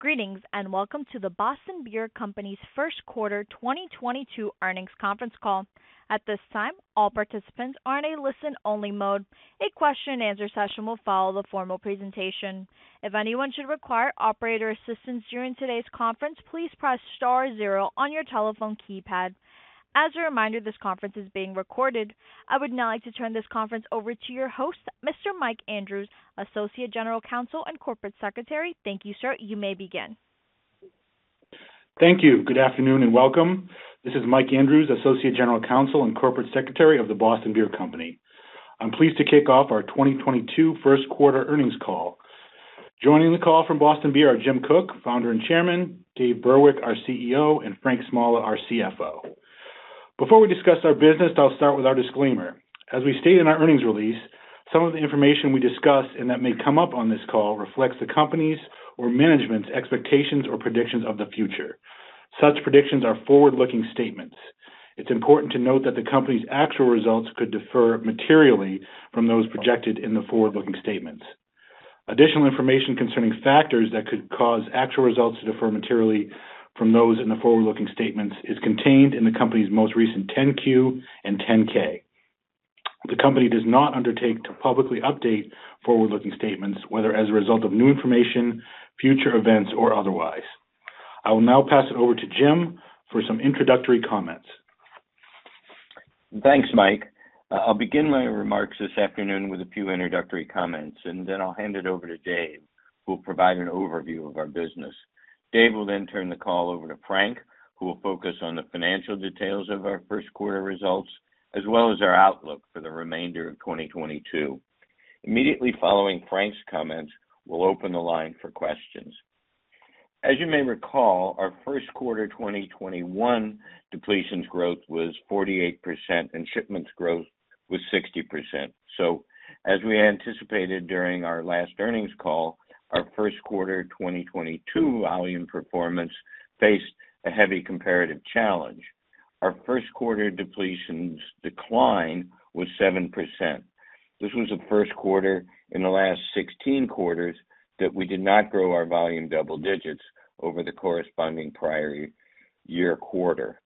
Greetings, and welcome to the Boston Beer Company's first quarter 2022 earnings conference call. At this time, all participants are in a listen-only mode. A question-and-answer session will follow the formal presentation. If anyone should require operator assistance during today's conference, please press star zero on your telephone keypad. As a reminder, this conference is being recorded. I would now like to turn this conference over to your host, Mr. Mike Andrews, Associate General Counsel and Corporate Secretary. Thank you, sir. You may begin. Thank you. Good afternoon, and welcome. This is Mike Andrews, Associate General Counsel and Corporate Secretary of The Boston Beer Company. I'm pleased to kick off our 2022 first quarter earnings call. Joining the call from Boston Beer are Jim Koch, Founder and Chairman, Dave Burwick, our CEO, and Frank Smalla, our CFO. Before we discuss our business, I'll start with our disclaimer. As we state in our earnings release, some of the information we discuss and that may come up on this call reflects the company's or management's expectations or predictions of the future. Such predictions are forward-looking statements. It's important to note that the company's actual results could differ materially from those projected in the forward-looking statements. Additional information concerning factors that could cause actual results to differ materially from those in the forward-looking statements is contained in the company's most recent 10-Q and 10-K. The company does not undertake to publicly update forward-looking statements, whether as a result of new information, future events, or otherwise. I will now pass it over to Jim for some introductory comments. Thanks, Mike. I'll begin my remarks this afternoon with a few introductory comments, and then I'll hand it over to Dave, who will provide an overview of our business. Dave will then turn the call over to Frank, who will focus on the financial details of our first quarter results, as well as our outlook for the remainder of 2022. Immediately following Frank's comments, we'll open the line for questions. As you may recall, our first quarter 2021 depletions growth was 48% and shipments growth was 60%. As we anticipated during our last earnings call, our first quarter 2022 volume performance faced a heavy comparative challenge. Our first quarter depletions decline was 7%. This was the first quarter in the last 16 quarters that we did not grow our volume double digits over the corresponding prior year quarter.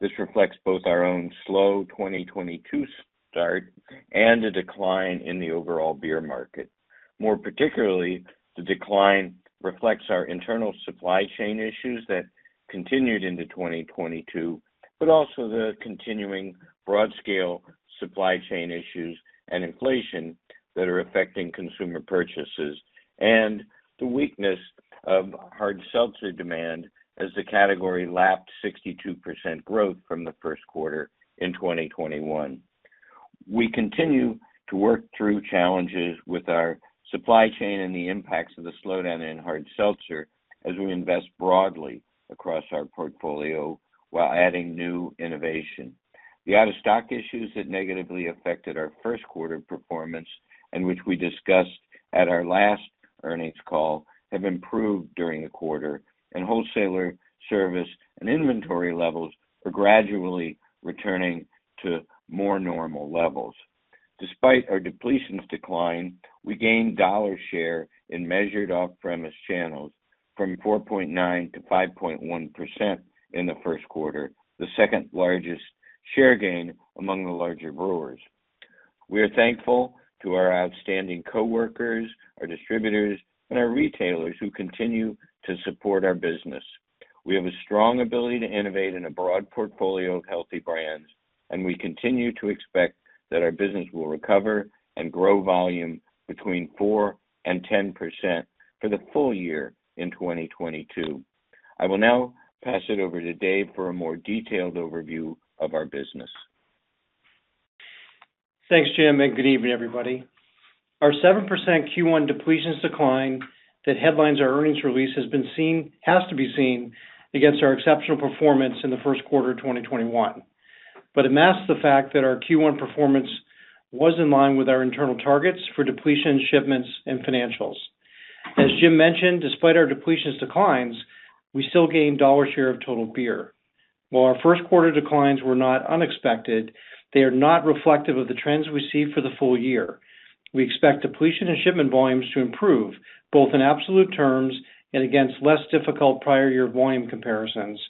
This reflects both our own slow 2022 start and a decline in the overall beer market. More particularly, the decline reflects our internal supply chain issues that continued into 2022, but also the continuing broad-scale supply chain issues and inflation that are affecting consumer purchases and the weakness of hard seltzer demand as the category lapsed 62% growth from the first quarter in 2021. We continue to work through challenges with our supply chain and the impacts of the slowdown in hard seltzer as we invest broadly across our portfolio while adding new innovation. The out-of-stock issues that negatively affected our first quarter performance, and which we discussed at our last earnings call, have improved during the quarter, and wholesaler service and inventory levels are gradually returning to more normal levels. Despite our depletions decline, we gained dollar share in measured off-premise channels from 4.9%-5.1% in the first quarter, the second-largest share gain among the larger brewers. We are thankful to our outstanding coworkers, our distributors, and our retailers who continue to support our business. We have a strong ability to innovate in a broad portfolio of healthy brands, and we continue to expect that our business will recover and grow volume between 4%-10% for the full year in 2022. I will now pass it over to Dave for a more detailed overview of our business. Thanks, Jim, and good evening, everybody. Our 7% Q1 depletions decline that headlines our earnings release has to be seen against our exceptional performance in the first quarter of 2021. It masks the fact that our Q1 performance was in line with our internal targets for depletion, shipments, and financials. As Jim mentioned, despite our depletions declines, we still gained dollar share of total beer. While our first quarter declines were not unexpected, they are not reflective of the trends we see for the full year. We expect depletion and shipment volumes to improve, both in absolute terms and against less difficult prior year volume comparisons.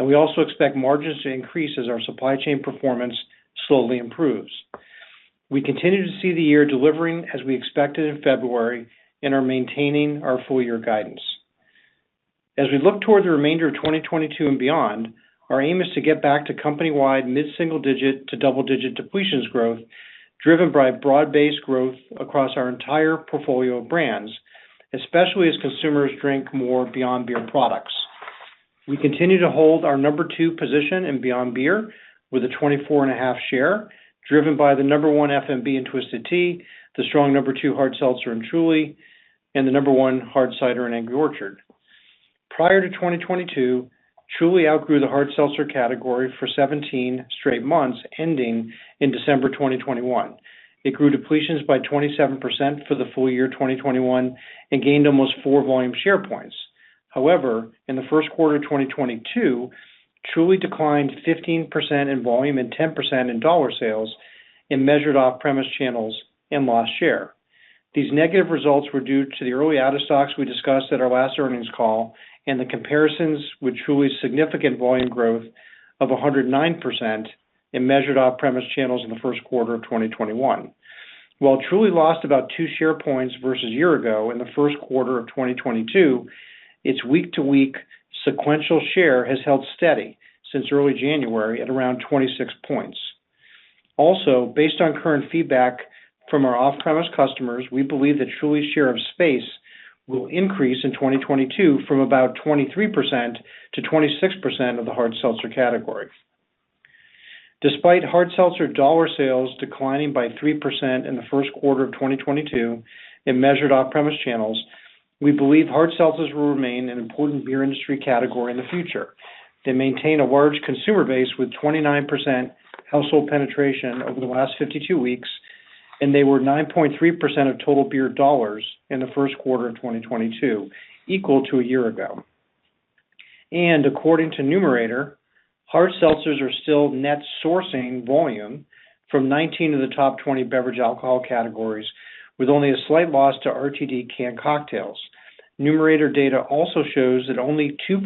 We also expect margins to increase as our supply chain performance slowly improves. We continue to see the year delivering as we expected in February and are maintaining our full year guidance. As we look toward the remainder of 2022 and beyond, our aim is to get back to company-wide mid-single-digit to double-digit depletions growth, driven by broad-based growth across our entire portfolio of brands, especially as consumers drink more Beyond Beer products. We continue to hold our number two position in Beyond Beer with a 24.5% share, driven by the number one FMB in Twisted Tea, the strong number two hard seltzer in Truly, and the number one hard cider in Angry Orchard. Prior to 2022, Truly outgrew the hard seltzer category for 17 straight months, ending in December 2021. It grew depletions by 27% for the full year 2021 and gained almost four volume share points. However, in the first quarter of 2022, Truly declined 15% in volume and 10% in dollar sales in measured off-premise channels and lost share. These negative results were due to the early out of stocks we discussed at our last earnings call and the comparisons with Truly's significant volume growth of 109% in measured off-premise channels in the first quarter of 2021. While Truly lost about two share points versus year ago in the first quarter of 2022, its week-to-week sequential share has held steady since early January at around 26 points. Also, based on current feedback from our off-premise customers, we believe that Truly's share of space will increase in 2022 from about 23%-26% of the hard seltzer category. Despite hard seltzer dollar sales declining by 3% in the first quarter of 2022 in measured off-premise channels, we believe hard seltzers will remain an important beer industry category in the future. They maintain a large consumer base with 29% household penetration over the last 52 weeks, and they were 9.3% of total beer dollars in Q1 2022, equal to a year ago. According to Numerator, hard seltzers are still net sourcing volume from 19 of the top 20 beverage alcohol categories, with only a slight loss to RTD canned cocktails. Numerator data also shows that only 2%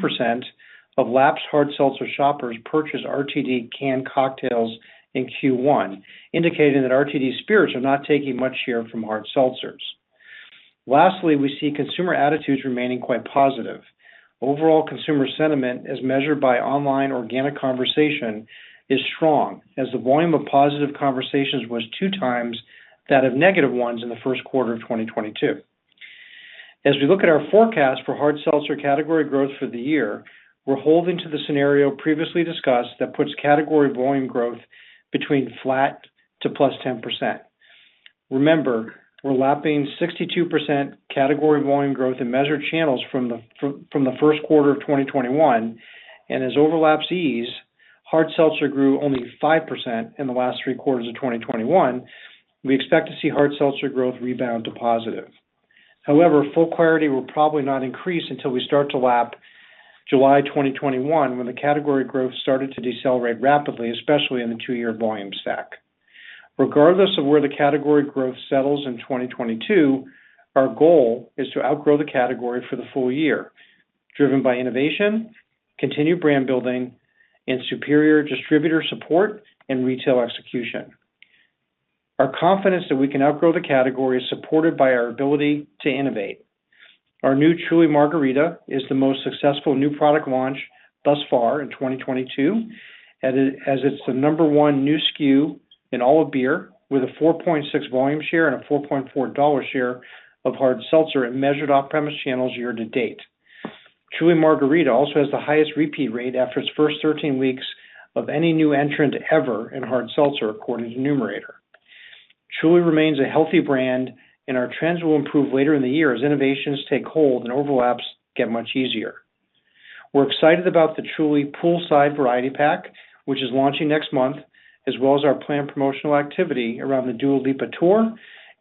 of lapsed hard seltzer shoppers purchased RTD canned cocktails in Q1, indicating that RTD spirits are not taking much share from hard seltzers. Lastly, we see consumer attitudes remaining quite positive. Overall consumer sentiment, as measured by online organic conversation, is strong, as the volume of positive conversations was 2x that of negative ones in Q1 2022. As we look at our forecast for hard seltzer category growth for the year, we're holding to the scenario previously discussed that puts category volume growth between flat to +10%. Remember, we're lapping 62% category volume growth in measured channels from the first quarter of 2021, and as overlaps ease, hard seltzer grew only 5% in the last three quarters of 2021. We expect to see hard seltzer growth rebound to positive. However, full clarity will probably not increase until we start to lap July 2021, when the category growth started to decelerate rapidly, especially in the two-year volume stack. Regardless of where the category growth settles in 2022, our goal is to outgrow the category for the full year, driven by innovation, continued brand building, and superior distributor support and retail execution. Our confidence that we can outgrow the category is supported by our ability to innovate. Our new Truly Margarita is the most successful new product launch thus far in 2022, as it's the number one new SKU in all of beer, with a 4.6 volume share and a $4.4 share of hard seltzer in measured off-premise channels year to date. Truly Margarita also has the highest repeat rate after its first 13 weeks of any new entrant ever in hard seltzer, according to Numerator. Truly remains a healthy brand, and our trends will improve later in the year as innovations take hold and overlaps get much easier. We're excited about the Truly poolside variety pack, which is launching next month, as well as our planned promotional activity around the Dua Lipa tour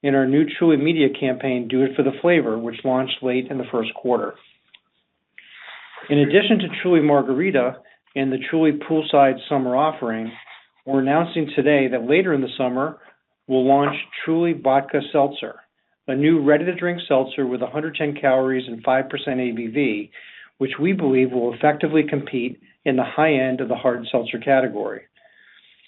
and our new Truly media campaign, Do It For The Flavor, which launched late in the first quarter. In addition to Truly Margarita and the Truly poolside summer offering, we're announcing today that later in the summer, we'll launch Truly Vodka Seltzer, a new ready-to-drink seltzer with 110 calories and 5% ABV, which we believe will effectively compete in the high end of the hard seltzer category.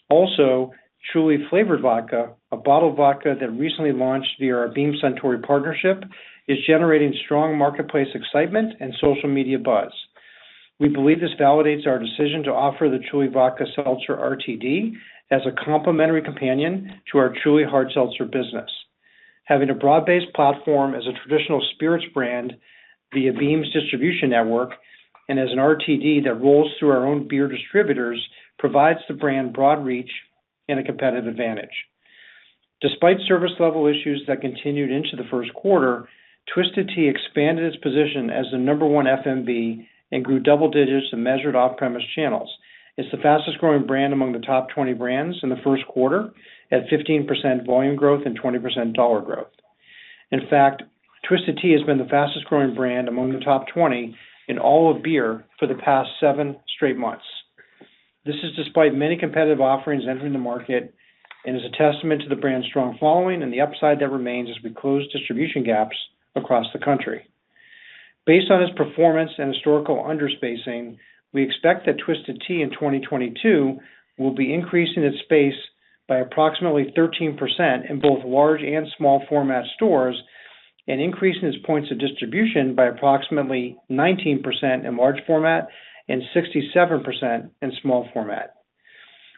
Also, Truly flavored vodka, a bottled vodka that recently launched via our Beam Suntory partnership, is generating strong marketplace excitement and social media buzz. We believe this validates our decision to offer the Truly Vodka Seltzer RTD as a complimentary companion to our Truly hard seltzer business. Having a broad-based platform as a traditional spirits brand via Beam's distribution network and as an RTD that rolls through our own beer distributors provides the brand broad reach and a competitive advantage. Despite service level issues that continued into the first quarter, Twisted Tea expanded its position as the number one FMB and grew double digits in measured off-premise channels. It's the fastest-growing brand among the top 20 brands in the first quarter, at 15% volume growth and 20% dollar growth. In fact, Twisted Tea has been the fastest-growing brand among the top 20 in all of beer for the past seven straight months. This is despite many competitive offerings entering the market and is a testament to the brand's strong following and the upside that remains as we close distribution gaps across the country. Based on its performance and historical underspacing, we expect that Twisted Tea in 2022 will be increasing its space by approximately 13% in both large and small format stores and increasing its points of distribution by approximately 19% in large format and 67% in small format.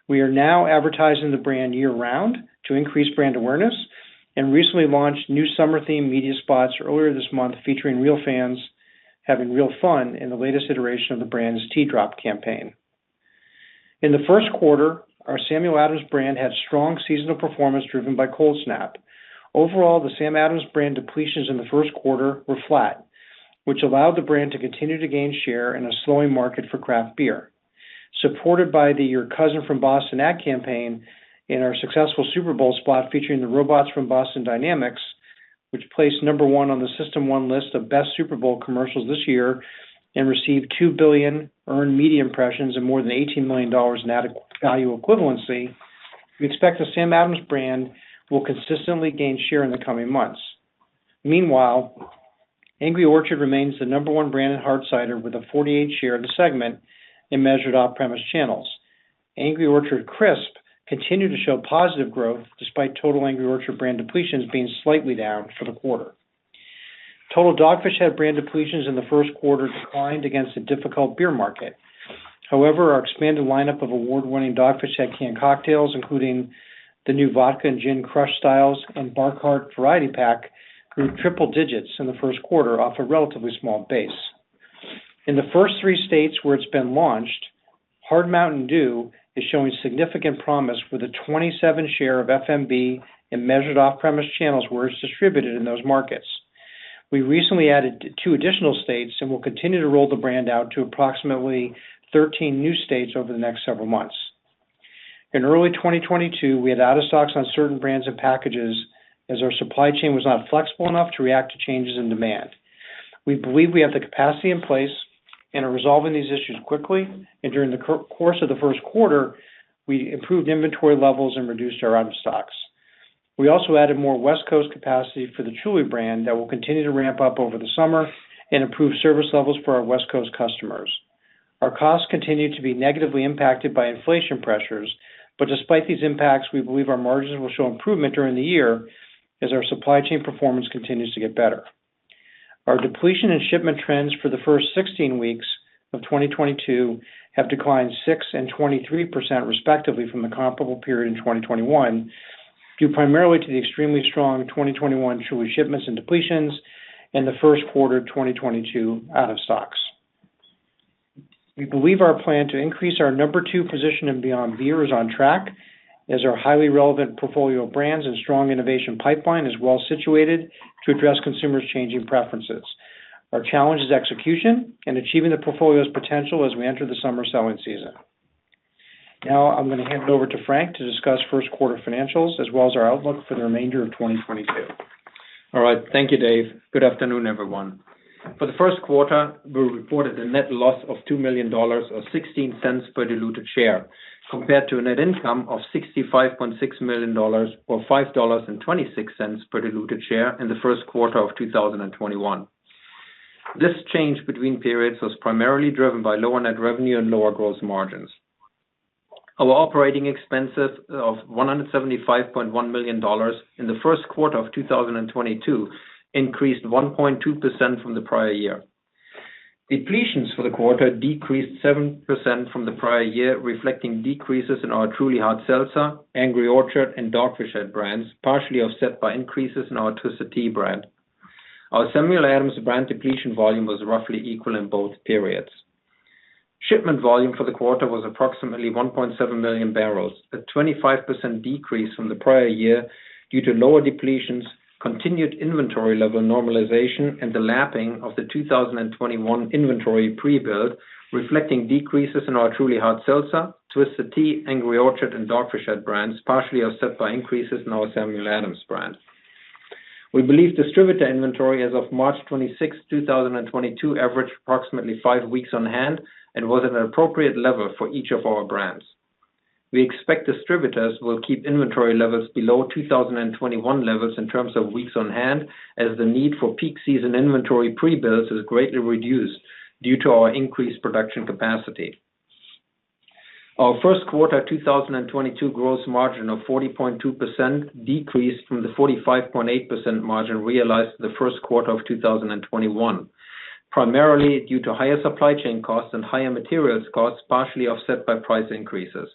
We are now advertising the brand year-round to increase brand awareness and recently launched new summer-themed media spots earlier this month featuring real fans having real fun in the latest iteration of the brand's Tea Drop campaign. In the first quarter, our Samuel Adams brand had strong seasonal performance driven by Cold Snap. Overall, the Sam Adams brand depletions in the first quarter were flat, which allowed the brand to continue to gain share in a slowing market for craft beer. Supported by the Your Cousin From Boston ad campaign and our successful Super Bowl spot featuring the robots from Boston Dynamics, which placed number one on the System1 list of best Super Bowl commercials this year and received 2 billion earned media impressions and more than $18 million in added value equivalency. We expect the Sam Adams brand will consistently gain share in the coming months. Meanwhile, Angry Orchard remains the number one brand in hard cider with a 48% share of the segment in measured off-premise channels. Angry Orchard Crisp continued to show positive growth despite total Angry Orchard brand depletions being slightly down for the quarter. Total Dogfish Head brand depletions in the first quarter declined against a difficult beer market. However, our expanded lineup of award-winning Dogfish Head canned cocktails, including the new vodka and gin crush styles and Bar Cart variety pack, grew triple digits in the first quarter off a relatively small base. In the first three states where it's been launched, Hard Mountain Dew is showing significant promise with a 27% share of FMB in measured off-premise channels where it's distributed in those markets. We recently added two additional states, and we'll continue to roll the brand out to approximately 13 new states over the next several months. In early 2022, we had out of stocks on certain brands and packages as our supply chain was not flexible enough to react to changes in demand. We believe we have the capacity in place and are resolving these issues quickly, and during the course of the first quarter, we improved inventory levels and reduced our out of stocks. We also added more West Coast capacity for the Truly brand that will continue to ramp up over the summer and improve service levels for our West Coast customers. Our costs continue to be negatively impacted by inflation pressures, but despite these impacts, we believe our margins will show improvement during the year as our supply chain performance continues to get better. Our depletion and shipment trends for the first 16 weeks of 2022 have declined 6% and 23% respectively from the comparable period in 2021, due primarily to the extremely strong 2021 Truly shipments and depletions and the first quarter of 2022 out of stocks. We believe our plan to increase our number two position in Beyond Beer is on track as our highly relevant portfolio of brands and strong innovation pipeline is well situated to address consumers' changing preferences. Our challenge is execution and achieving the portfolio's potential as we enter the summer selling season. Now, I'm gonna hand it over to Frank to discuss first quarter financials as well as our outlook for the remainder of 2022. All right. Thank you, Dave. Good afternoon, everyone. For the first quarter, we reported a net loss of $2 million or $0.16 per diluted share, compared to a net income of $65.6 million or $5.26 per diluted share in the first quarter of 2021. This change between periods was primarily driven by lower net revenue and lower gross margins. Our operating expenses of $175.1 million in the first quarter of 2022 increased 1.2% from the prior year. Depletions for the quarter decreased 7% from the prior year, reflecting decreases in our Truly Hard Seltzer, Angry Orchard, and Dogfish Head brands, partially offset by increases in our Twisted Tea brand. Our Samuel Adams brand depletion volume was roughly equal in both periods. Shipment volume for the quarter was approximately 1.7 million barrels, a 25% decrease from the prior year due to lower depletions, continued inventory level normalization, and the lapping of the 2021 inventory pre-build, reflecting decreases in our Truly Hard Seltzer, Twisted Tea, Angry Orchard, and Dogfish Head brands, partially offset by increases in our Samuel Adams brand. We believe distributor inventory as of March 26, 2022 averaged approximately five weeks on hand and was at an appropriate level for each of our brands. We expect distributors will keep inventory levels below 2021 levels in terms of weeks on hand as the need for peak season inventory pre-builds is greatly reduced due to our increased production capacity. Our first quarter of 2022 gross margin of 40.2% decreased from the 45.8% margin realized in the first quarter of 2021, primarily due to higher supply chain costs and higher materials costs, partially offset by price increases.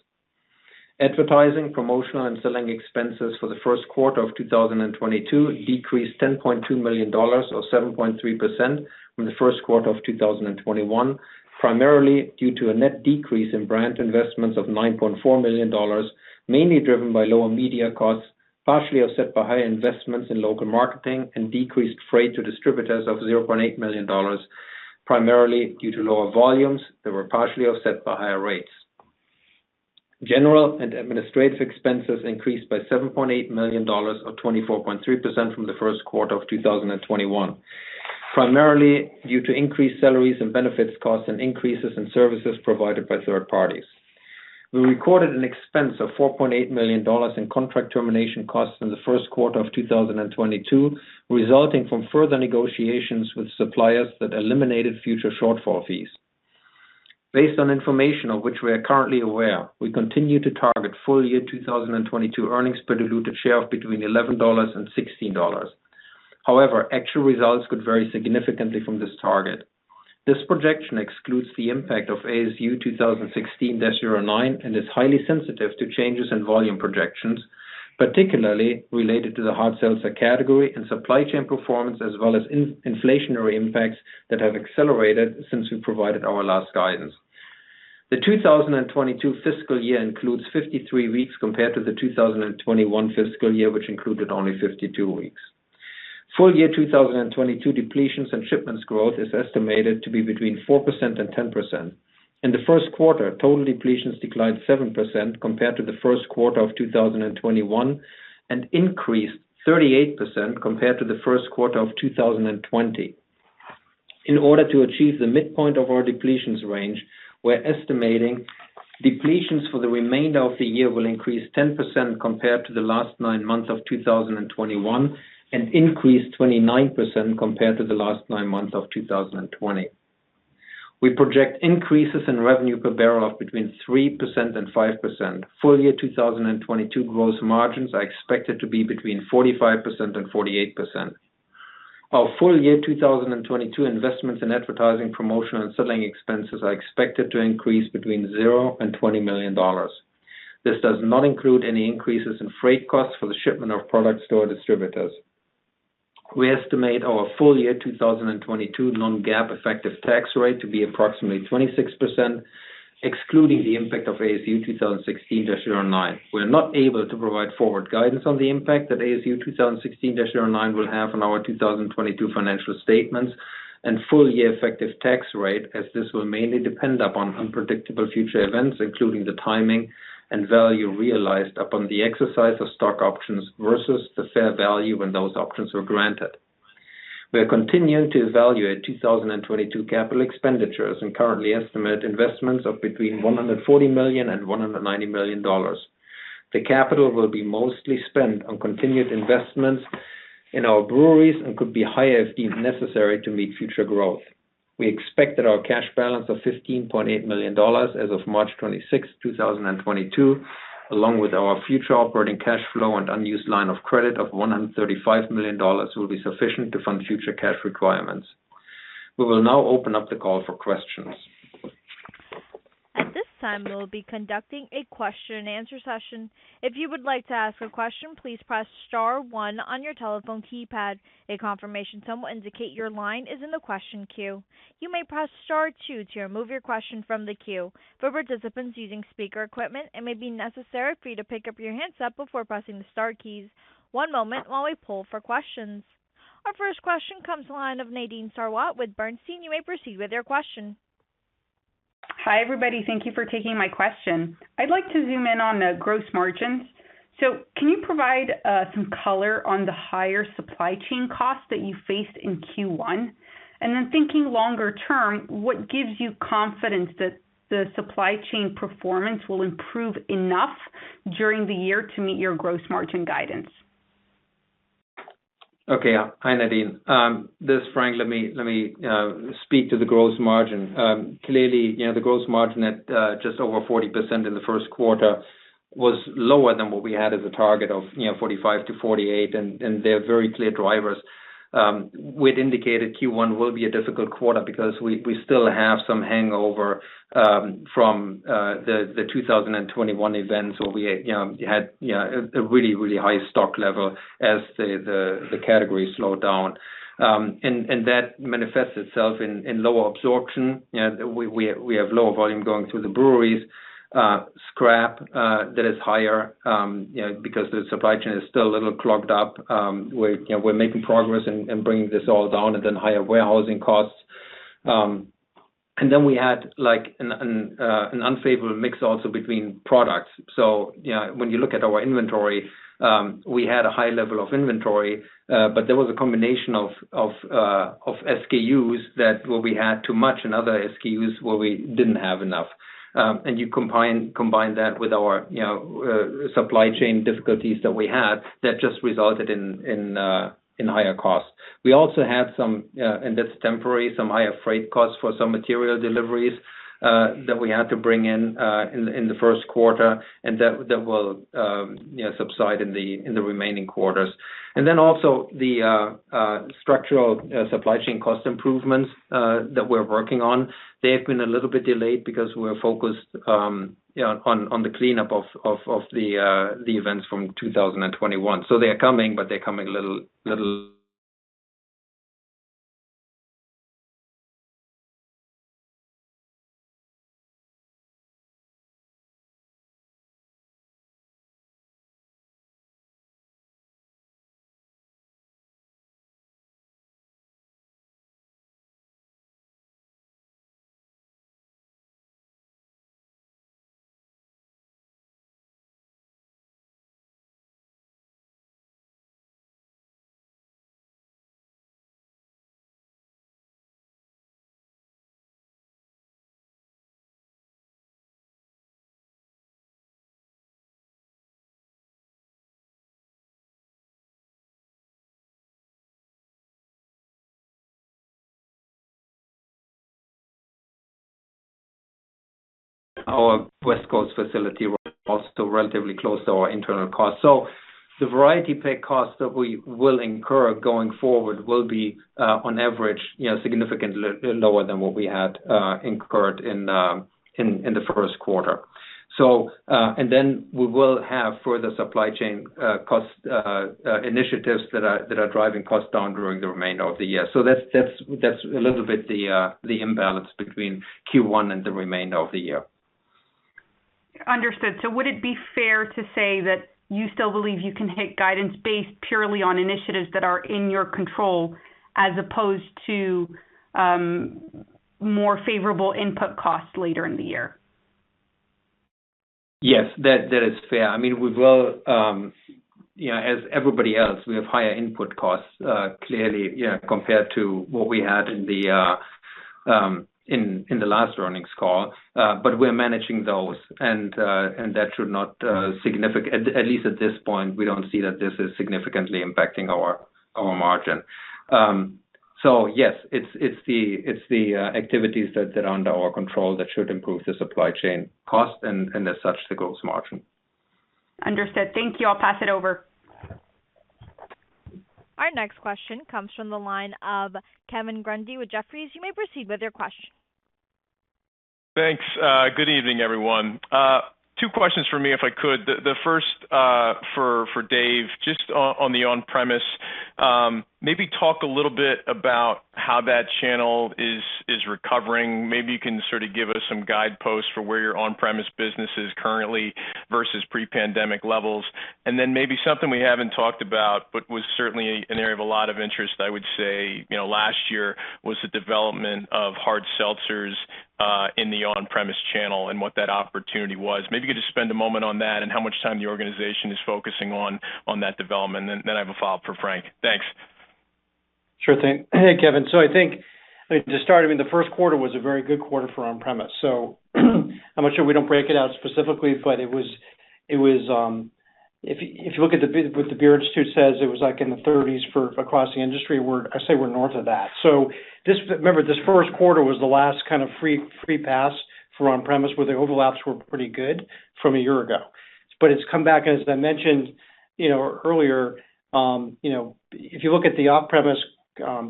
Advertising, promotional, and selling expenses for the first quarter of 2022 decreased $10.2 million or 7.3% from the first quarter of 2021, primarily due to a net decrease in brand investments of $9.4 million, mainly driven by lower media costs, partially offset by higher investments in local marketing and decreased freight to distributors of $0.8 million, primarily due to lower volumes that were partially offset by higher rates. General and administrative expenses increased by $7.8 million or 24.3% from the first quarter of 2021, primarily due to increased salaries and benefits costs and increases in services provided by third parties. We recorded an expense of $4.8 million in contract termination costs in the first quarter of 2022, resulting from further negotiations with suppliers that eliminated future shortfall fees. Based on information of which we are currently aware, we continue to target full year 2022 earnings per diluted share of between $11 and $16. However, actual results could vary significantly from this target. This projection excludes the impact of ASU 2016-09 and is highly sensitive to changes in volume projections, particularly related to the hard seltzer category and supply chain performance, as well as in-inflationary impacts that have accelerated since we provided our last guidance. The 2022 fiscal year includes 53 weeks compared to the 2021 fiscal year, which included only 52 weeks. Full year 2022 depletions and shipments growth is estimated to be between 4% and 10%. In the first quarter, total depletions declined 7% compared to the first quarter of 2021, and increased 38% compared to the first quarter of 2020. In order to achieve the midpoint of our depletions range, we're estimating depletions for the remainder of the year will increase 10% compared to the last nine months of 2021, and increase 29% compared to the last nine months of 2020. We project increases in revenue per barrel of between 3% and 5%. Full year 2022 gross margins are expected to be between 45% and 48%. Our full year 2022 investments in advertising, promotional and selling expenses are expected to increase between $0 and $20 million. This does not include any increases in freight costs for the shipment of product to distributors. We estimate our full year 2022 non-GAAP effective tax rate to be approximately 26%, excluding the impact of ASU 2016-09. We're not able to provide forward guidance on the impact that ASU 2016-09 will have on our 2022 financial statements and full year effective tax rate, as this will mainly depend upon unpredictable future events, including the timing and value realized upon the exercise of stock options versus the fair value when those options were granted. We are continuing to evaluate 2022 capital expenditures, and currently estimate investments of between $140 million and $190 million. The capital will be mostly spent on continued investments in our breweries and could be higher if deemed necessary to meet future growth. We expect that our cash balance of $15.8 million as of March 26th, 2022, along with our future operating cash flow and unused line of credit of $135 million will be sufficient to fund future cash requirements. We will now open up the call for questions. At this time, we will be conducting a question and answer session. If you would like to ask a question, please press star one on your telephone keypad. A confirmation tone will indicate your line is in the question queue. You may press star two to remove your question from the queue. For participants using speaker equipment, it may be necessary for you to pick up your handset before pressing the star keys. One moment while we poll for questions. Our first question comes from the line of Nadine Sarwat with Bernstein. You may proceed with your question. Hi, everybody. Thank you for taking my question. I'd like to zoom in on the gross margins. Can you provide some color on the higher supply chain costs that you faced in Q1? And then thinking longer term, what gives you confidence that the supply chain performance will improve enough during the year to meet your gross margin guidance? Okay. Hi, Nadine. This is Frank. Let me speak to the gross margin. Clearly, you know, the gross margin at just over 40% in the first quarter was lower than what we had as a target of, you know, 45%-48%, and there are very clear drivers. We'd indicated Q1 will be a difficult quarter because we still have some hangover from the 2021 events where we, you know, had a really high stock level as the category slowed down. That manifests itself in lower absorption. You know, we have lower volume going through the breweries, scrap that is higher, you know, because the supply chain is still a little clogged up. You know, we're making progress in bringing this all down, and then higher warehousing costs. Then we had like an unfavorable mix also between products. You know, when you look at our inventory, we had a high level of inventory, but there was a combination of SKUs where we had too much and other SKUs where we didn't have enough. You combine that with our supply chain difficulties that we had, that just resulted in higher costs. We also had some higher freight costs for some material deliveries that we had to bring in in the first quarter, and that's temporary, and that will subside in the remaining quarters. Then also the structural supply chain cost improvements that we're working on. They have been a little bit delayed because we're focused, you know, on the cleanup of the events from 2021. They are coming, but they're coming a little—Our West Coast facility was still relatively close to our internal costs. The variety pack costs that we will incur going forward will be, on average, you know, significantly lower than what we had incurred in the first quarter. We will have further supply chain cost initiatives that are driving costs down during the remainder of the year. That's a little bit the imbalance between Q1 and the remainder of the year. Understood. Would it be fair to say that you still believe you can hit guidance based purely on initiatives that are in your control, as opposed to more favorable input costs later in the year? Yes. That is fair. I mean, we will, you know, as everybody else, we have higher input costs, clearly, yeah, compared to what we had in the last earnings call. We're managing those and that should not, at least at this point, we don't see that this is significantly impacting our margin. Yes, it's the activities that are under our control that should improve the supply chain cost and as such, the gross margin. Understood. Thank you. I'll pass it over. Our next question comes from the line of Kevin Grundy with Jefferies. You may proceed with your question. Thanks. Good evening, everyone. Two questions from me, if I could. The first for Dave, just on the on-premise, maybe talk a little bit about how that channel is recovering. Maybe you can sort of give us some guideposts for where your on-premise business is currently versus pre-pandemic levels. Maybe something we haven't talked about, but was certainly an area of a lot of interest, I would say, you know, last year, was the development of hard seltzers in the on-premise channel and what that opportunity was. Maybe you could just spend a moment on that and how much time the organization is focusing on that development. I have a follow-up for Frank. Thanks. Sure thing. Hey, Kevin. I think to start, I mean, the first quarter was a very good quarter for on-premise. I'm not sure we don't break it out specifically, but it was, if you look at what the Beer Institute says, it was like in the 30s across the industry. I say we're north of that. Remember, this first quarter was the last kind of free pass for on-premise, where the overlaps were pretty good from a year ago. It's come back, and as I mentioned, you know, earlier, you know, if you look at the off-premise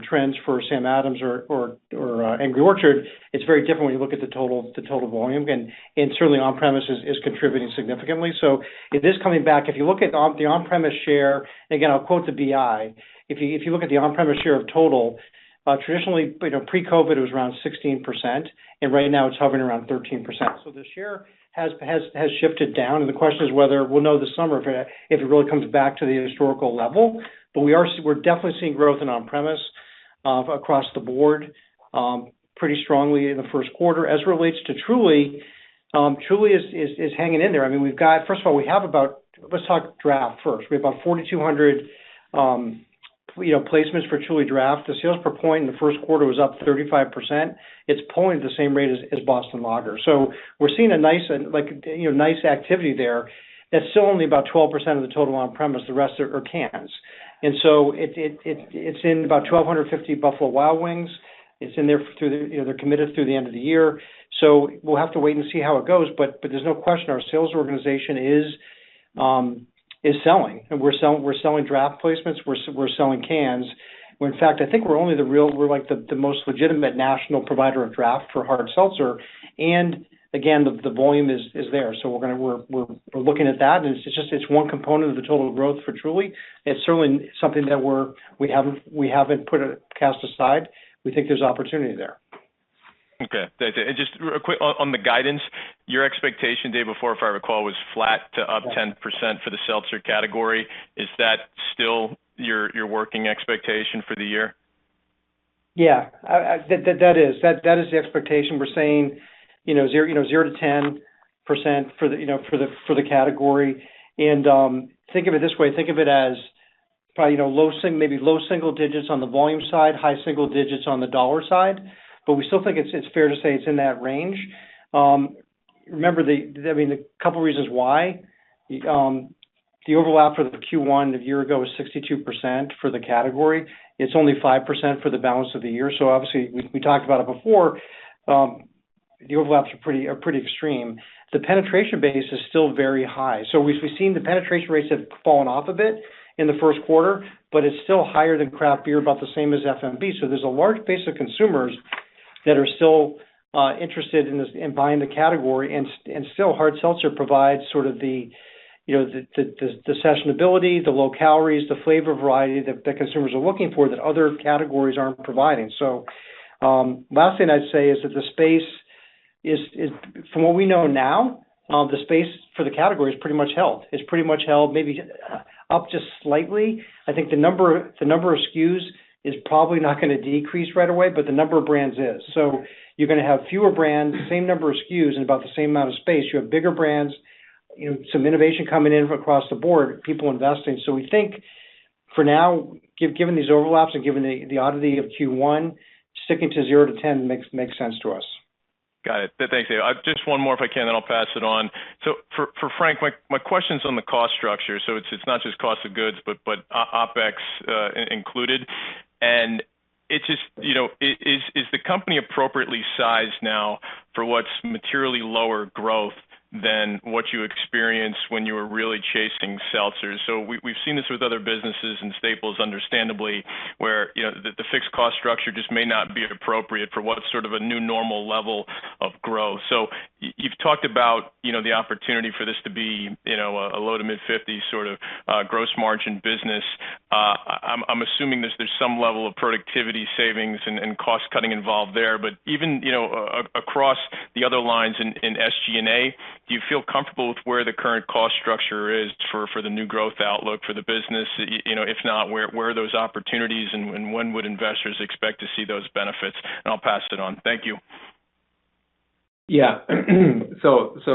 trends for Sam Adams or Angry Orchard, it's very different when you look at the total volume. Certainly on-premise is contributing significantly. It is coming back. If you look at the on-premise share, again, I'll quote the BI. If you look at the on-premise share of total, traditionally, you know, pre-COVID, it was around 16%, and right now it's hovering around 13%. So the share has shifted down, and the question is whether we'll know this summer if it really comes back to the historical level. But we're definitely seeing growth in on-premise across the board pretty strongly in the first quarter. As relates to Truly is hanging in there. I mean, we've got. First of all, let's talk draft first. We have about 4,200 placements for Truly draft. The sales per point in the first quarter was up 35%. It's pulling at the same rate as Boston Lager. We're seeing a nice, like, you know, activity there. That's still only about 12% of the total on-premise. The rest are cans. It's in about 1,250 Buffalo Wild Wings. It's in there. You know, they're committed through the end of the year. We'll have to wait and see how it goes, but there's no question our sales organization is selling. We're selling draft placements. We're selling cans. In fact, I think we're like the most legitimate national provider of draft for hard seltzer. Again, the volume is there. We're looking at that, and it's just one component of the total growth for Truly. It's certainly something that we haven't put it aside. We think there's opportunity there. Okay. Just real quick, on the guidance, your expectation, Dave, before, if I recall, was flat to up 10% for the seltzer category. Is that still your working expectation for the year? Yeah. That is the expectation. We're saying, you know, 0%-10% for the category. Think of it this way. Think of it as probably, you know, low single digits on the volume side, high single digits on the dollar side. But we still think it's fair to say it's in that range. Remember, I mean, the couple reasons why. The overlap for the Q1 a year ago was 62% for the category. It's only 5% for the balance of the year. Obviously, we talked about it before, the overlaps are pretty extreme. The penetration base is still very high. We've seen the penetration rates have fallen off a bit in the first quarter, but it's still higher than craft beer, about the same as FMB. There's a large base of consumers that are still interested in this, in buying the category, and still hard seltzer provides sort of the sessionability, the low calories, the flavor variety that consumers are looking for that other categories aren't providing. Last thing I'd say is that the space is, from what we know now, the space for the category is pretty much held. It's pretty much held maybe up just slightly. I think the number of SKUs is probably not gonna decrease right away, but the number of brands is. You're gonna have fewer brands, same number of SKUs, and about the same amount of space. You have bigger brands, you know, some innovation coming in from across the board, people investing. We think for now, given these overlaps and given the oddity of Q1, sticking to 0-10 makes sense to us. Got it. Thanks, Dave. Just one more if I can, then I'll pass it on. For Frank, my question's on the cost structure, so it's not just cost of goods, but OpEx included. It's just, you know, is the company appropriately sized now for what's materially lower growth than what you experienced when you were really chasing seltzers? We've seen this with other businesses and staples understandably, where, you know, the fixed cost structure just may not be appropriate for what's sort of a new normal level of growth. You've talked about, you know, the opportunity for this to be. You know, a low- to mid-50s% sort of gross margin business. I'm assuming there's some level of productivity savings and cost-cutting involved there. Even, you know, across the other lines in SG&A, do you feel comfortable with where the current cost structure is for the new growth outlook for the business? You know, if not, where are those opportunities, and when would investors expect to see those benefits? I'll pass it on. Thank you.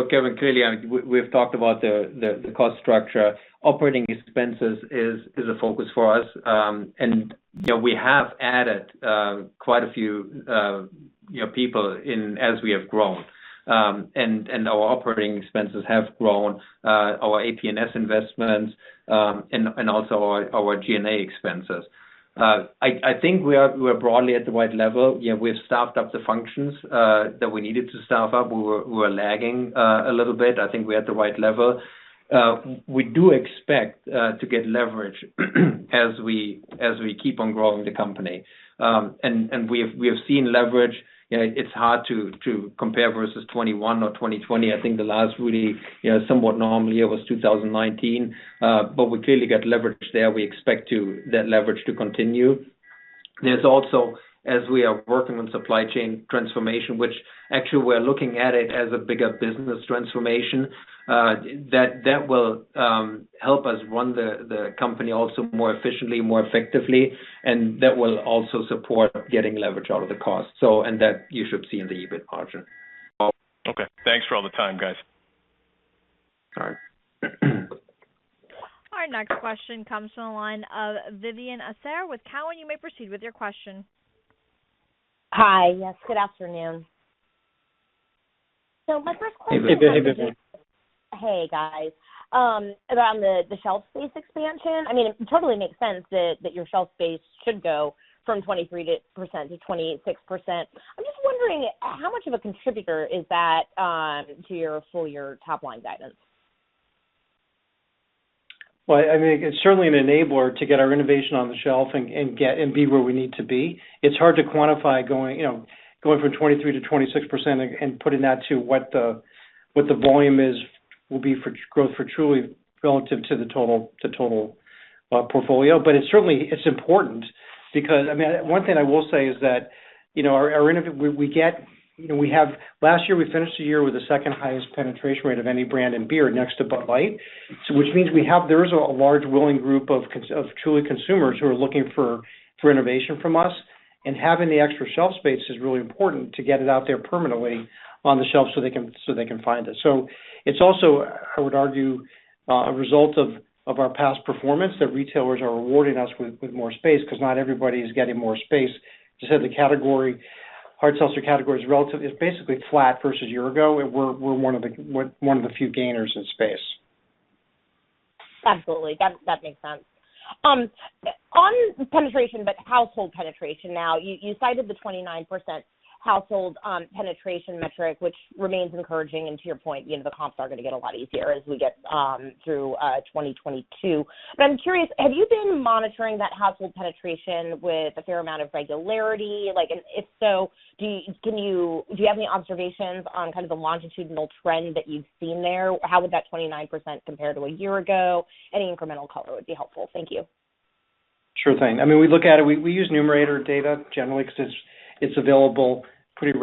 Kevin, clearly, we've talked about the cost structure. Operating expenses is a focus for us. And you know, we have added quite a few you know people as we have grown. And our operating expenses have grown, our AP&S investments, and also our G&A expenses. I think we are broadly at the right level. You know, we've staffed up the functions that we needed to staff up. We were lagging a little bit. I think we're at the right level. We do expect to get leverage as we keep on growing the company. And we have seen leverage. You know, it's hard to compare versus 2021 or 2020. I think the last really, you know, somewhat normal year was 2019. We clearly get leverage there. We expect that leverage to continue. There's also, as we are working on supply chain transformation, which actually we're looking at it as a bigger business transformation, that will help us run the company also more efficiently, more effectively, and that will also support getting leverage out of the cost. That you should see in the EBIT margin. Oh, okay. Thanks for all the time, guys. All right. Our next question comes from the line of Vivien Azer with Cowen. You may proceed with your question. Hi. Yes, good afternoon. My first question is- Hey, Vivien. Hey, guys. Around the shelf space expansion. I mean, it totally makes sense that your shelf space should go from 23%-26%. I'm just wondering, how much of a contributor is that to your full year top line guidance? Well, I mean, it's certainly an enabler to get our innovation on the shelf and be where we need to be. It's hard to quantify going, you know, from 23%-26% and putting that to what the volume will be for growth for Truly relative to the total portfolio. It certainly is important because, I mean, one thing I will say is that, you know, our innovation. We get, you know, we have. Last year, we finished the year with the second highest penetration rate of any brand in beer next to Bud Light. Which means there is a large willing group of Truly consumers who are looking for innovation from us. Having the extra shelf space is really important to get it out there permanently on the shelf so they can find it. It's also, I would argue, a result of our past performance that retailers are rewarding us with more space because not everybody is getting more space. As I said, the category, hard seltzer category is relatively, it's basically flat versus year ago, and we're one of the few gainers in space. Absolutely. That makes sense. On penetration, but household penetration now, you cited the 29% household penetration metric, which remains encouraging. To your point, you know, the comps are gonna get a lot easier as we get through 2022. I'm curious, have you been monitoring that household penetration with a fair amount of regularity? If so, do you have any observations on kind of the longitudinal trend that you've seen there? How would that 29% compare to a year ago? Any incremental color would be helpful. Thank you. Sure thing. I mean, we look at it. We use Numerator data generally 'cause it's available pretty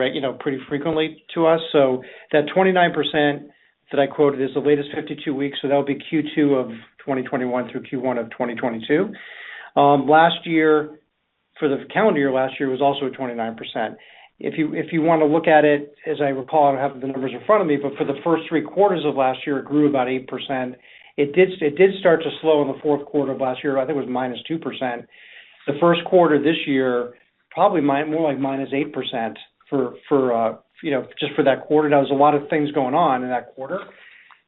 frequently to us. That 29% that I quoted is the latest 52 weeks, so that'll be Q2 of 2021 through Q1 of 2022. Last year, for the calendar year last year, was also at 29%. If you wanna look at it, as I recall, I don't have the numbers in front of me, but for the first three quarters of last year, it grew about 8%. It did start to slow in the fourth quarter of last year. I think it was -2%. The first quarter this year, probably more like -8% for you know, just for that quarter. Now there's a lot of things going on in that quarter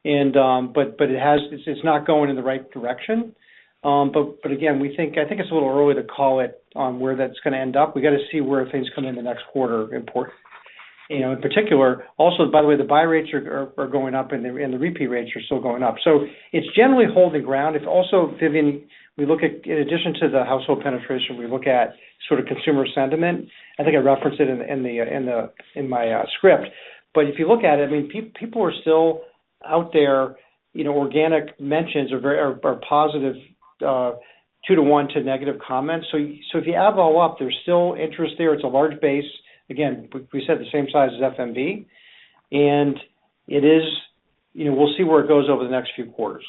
and, but it's not going in the right direction. Again, I think it's a little early to call it on where that's gonna end up. We gotta see where things come in the next quarter are important. You know, in particular, also, by the way, the buy rates are going up and the repeat rates are still going up. So it's generally holding ground. It's also, Vivien, we look at in addition to the household penetration, we look at sort of consumer sentiment. I think I referenced it in my script. If you look at it, I mean, people are still out there, you know, organic mentions are positive two to one to negative comments. If you add it all up, there's still interest there. It's a large base. Again, we said the same size as FMB. It is, you know, we'll see where it goes over the next few quarters.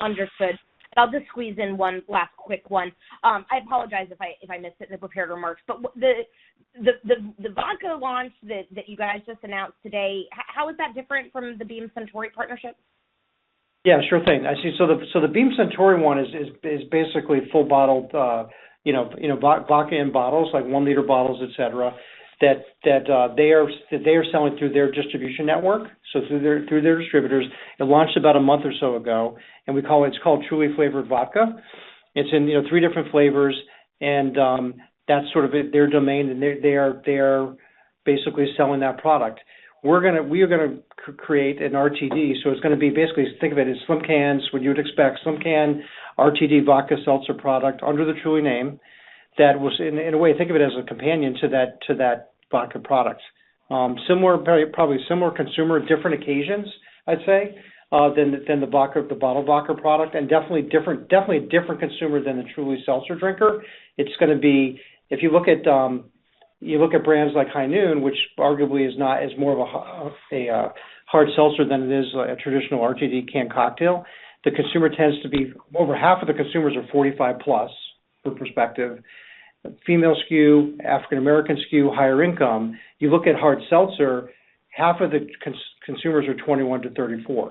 Understood. I'll just squeeze in one last quick one. I apologize if I missed it in the prepared remarks. The vodka launch that you guys just announced today, how is that different from the Beam Suntory partnership? Yeah, sure thing. I see. The Beam Suntory one is basically full bottled, you know, vodka in bottles, like one liter bottles, et cetera, that they are selling through their distribution network, through their distributors. It launched about a month or so ago, and we call it's called Truly Flavored Vodka. It's in you know, three different flavors, and that's sort of it, their domain, and they are basically selling that product. We are going to create an RTD, so it's going to be basically, think of it as slim cans, what you would expect, slim can RTD vodka seltzer product under the Truly name. That was in a way, think of it as a companion to that vodka product. Similar, very probably similar consumer, different occasions, I'd say, than the vodka, the bottled vodka product, and definitely a different consumer than the Truly Seltzer drinker. It's gonna be. If you look at brands like High Noon, which arguably is not more of a hard seltzer than it is a traditional RTD canned cocktail, the consumer tends to be over half of the consumers are 45+, for perspective, female skew, African American skew, higher income. You look at hard seltzer, half of the consumers are 21-34.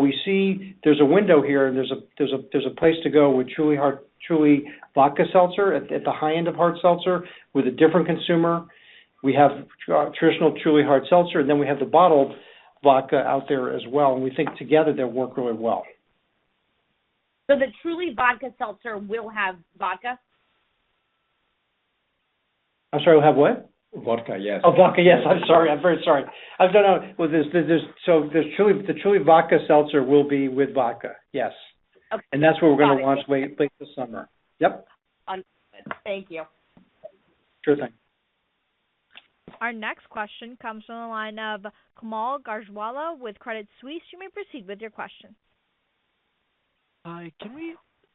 We see there's a window here, and there's a place to go with Truly Hard, Truly Vodka Seltzer at the high end of hard seltzer with a different consumer. We have traditional Truly Hard Seltzer, and then we have the bottled vodka out there as well. We think together they work really well. The Truly Vodka Seltzer will have vodka? I'm sorry, will have what? Vodka, yes. Oh, vodka, yes. I'm sorry. I'm very sorry. With this, there's Truly, the Truly Vodka Seltzer will be with vodka, yes. Okay. That's what we're gonna launch late this summer. Yep. Understood. Thank you. Sure thing. Our next question comes from the line of Kaumil Gajrawala with Credit Suisse. You may proceed with your question. Hi. Can we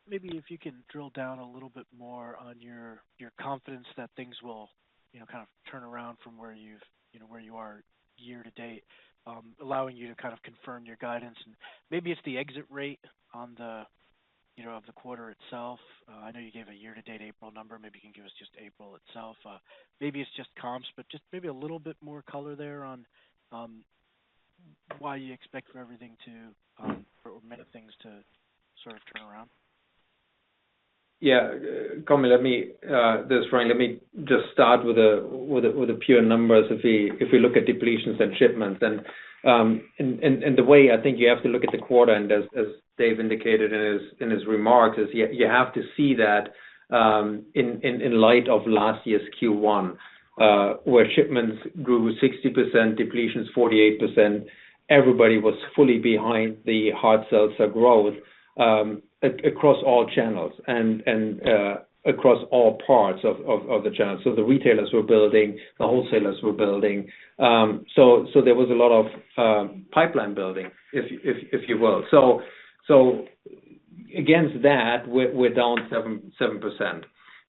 maybe if you can drill down a little bit more on your confidence that things will, you know, kind of turn around from where you've, you know, where you are year to date, allowing you to kind of confirm your guidance. Maybe it's the exit rate on the, you know, of the quarter itself. I know you gave a year to date April number. Maybe you can give us just April itself. Maybe it's just comps, but just maybe a little bit more color there on why you expect for everything to or many things to sort of turn around. Yeah. Kaumil, let me, this is Frank, let me just start with the pure numbers. If we look at depletions and shipments, and the way I think you have to look at the quarter, and as Dave indicated in his remarks, is you have to see that, in light of last year's Q1, where shipments grew 60%, depletions 48%. Everybody was fully behind the hard seltzer growth, across all channels and across all parts of the channels. The retailers were building, the wholesalers were building. There was a lot of pipeline building, if you will. Against that, we're down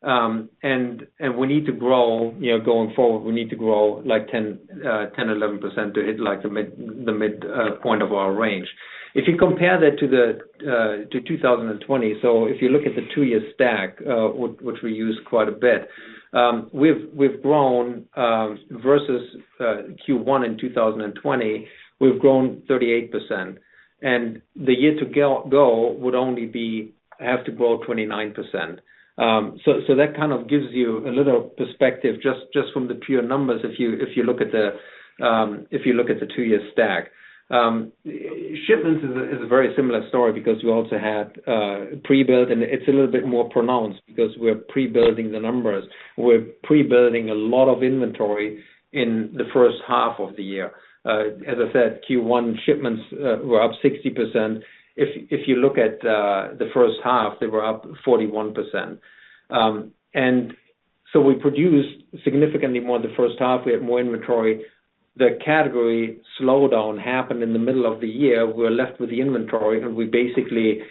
7%. We need to grow, you know, going forward. We need to grow like 10%-11% to hit like the midpoint of our range. If you compare that to 2020, so if you look at the two-year stack, which we use quite a bit, we've grown versus Q1 in 2020. We've grown 38%. The year to go would only have to grow 29%. So that kind of gives you a little perspective just from the pure numbers if you look at the two-year stack. Shipments is a very similar story because we also had pre-built, and it's a little bit more pronounced because we're pre-building the numbers. We're pre-building a lot of inventory in the first half of the year. As I said, Q1 shipments were up 60%. If you look at the first half, they were up 41%. We produced significantly more in the first half. We had more inventory. The category slowdown happened in the middle of the year. We were left with the inventory, and we basically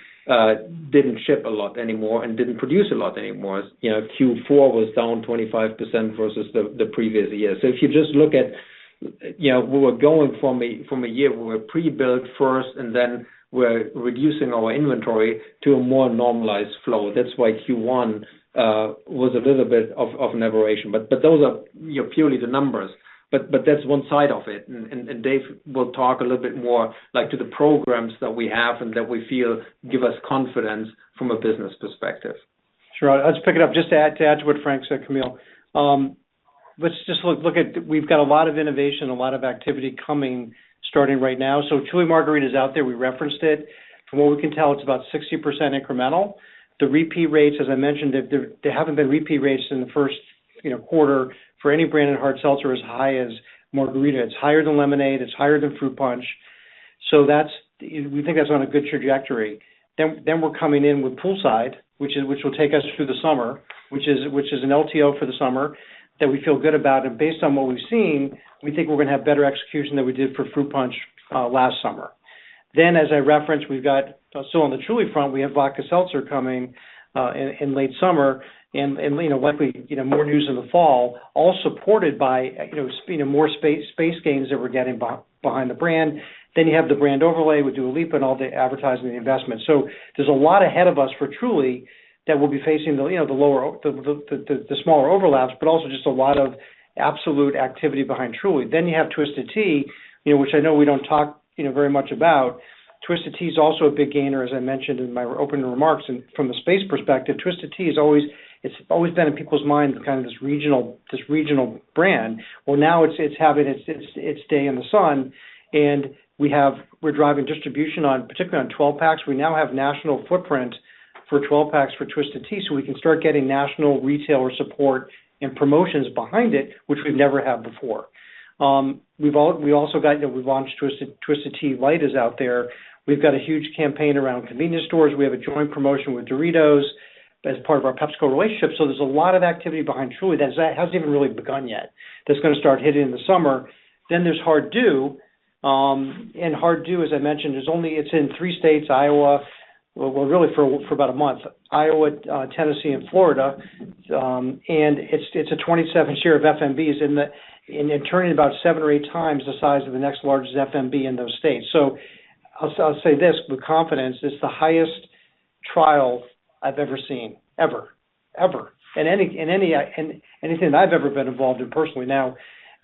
didn't ship a lot anymore and didn't produce a lot anymore. You know, Q4 was down 25% versus the previous year. If you just look at, you know, we were going from a year where we pre-built first, and then we're reducing our inventory to a more normalized flow. That's why Q1 was a little bit of an aberration. But those are, you know, purely the numbers. that's one side of it. Dave will talk a little bit more, like, to the programs that we have and that we feel give us confidence from a business perspective. Sure. I'll just pick it up to add to what Frank said, Kaumil. Let's just look at what we've got a lot of innovation, a lot of activity coming, starting right now. Truly Margarita is out there, we referenced it. From what we can tell, it's about 60% incremental. The repeat rates, as I mentioned, there haven't been repeat rates in the first quarter for any brand in hard seltzer as high as Margarita. It's higher than lemonade. It's higher than fruit punch. We think that's on a good trajectory. We're coming in with poolside, which will take us through the summer, which is an LTO for the summer that we feel good about. Based on what we've seen, we think we're gonna have better execution than we did for fruit punch last summer. As I referenced, we've got so on the Truly front, we have vodka seltzer coming in late summer and you know likely you know more news in the fall, all supported by you know more space gains that we're getting behind the brand. Then you have the brand overlay with Dua Lipa and all the advertising investment. So there's a lot ahead of us for Truly that will be facing you know the lower the smaller overlaps, but also just a lot of absolute activity behind Truly. Then you have Twisted Tea you know which I know we don't talk you know very much about. Twisted Tea is also a big gainer, as I mentioned in my opening remarks. From the space perspective, Twisted Tea is always, it's always been in people's minds as kind of this regional brand. Well, now it's having its day in the sun, and we're driving distribution on, particularly on 12 packs. We now have national footprint for 12 packs for Twisted Tea, so we can start getting national retailer support and promotions behind it, which we've never had before. We've also got, you know, we've launched Twisted Tea Light is out there. We've got a huge campaign around convenience stores. We have a joint promotion with Doritos as part of our PepsiCo relationship. There's a lot of activity behind Truly that hasn't even really begun yet. That's gonna start hitting in the summer. There's Hard Dew. Hard Dew, as I mentioned, it's in three states, Iowa, Tennessee and Florida, really for about a month. It's a 27% share of FMBs, and it's turning about seven or 8x the size of the next largest FMB in those states. I'll say this with confidence. It's the highest trial I've ever seen, ever. In anything I've ever been involved in personally.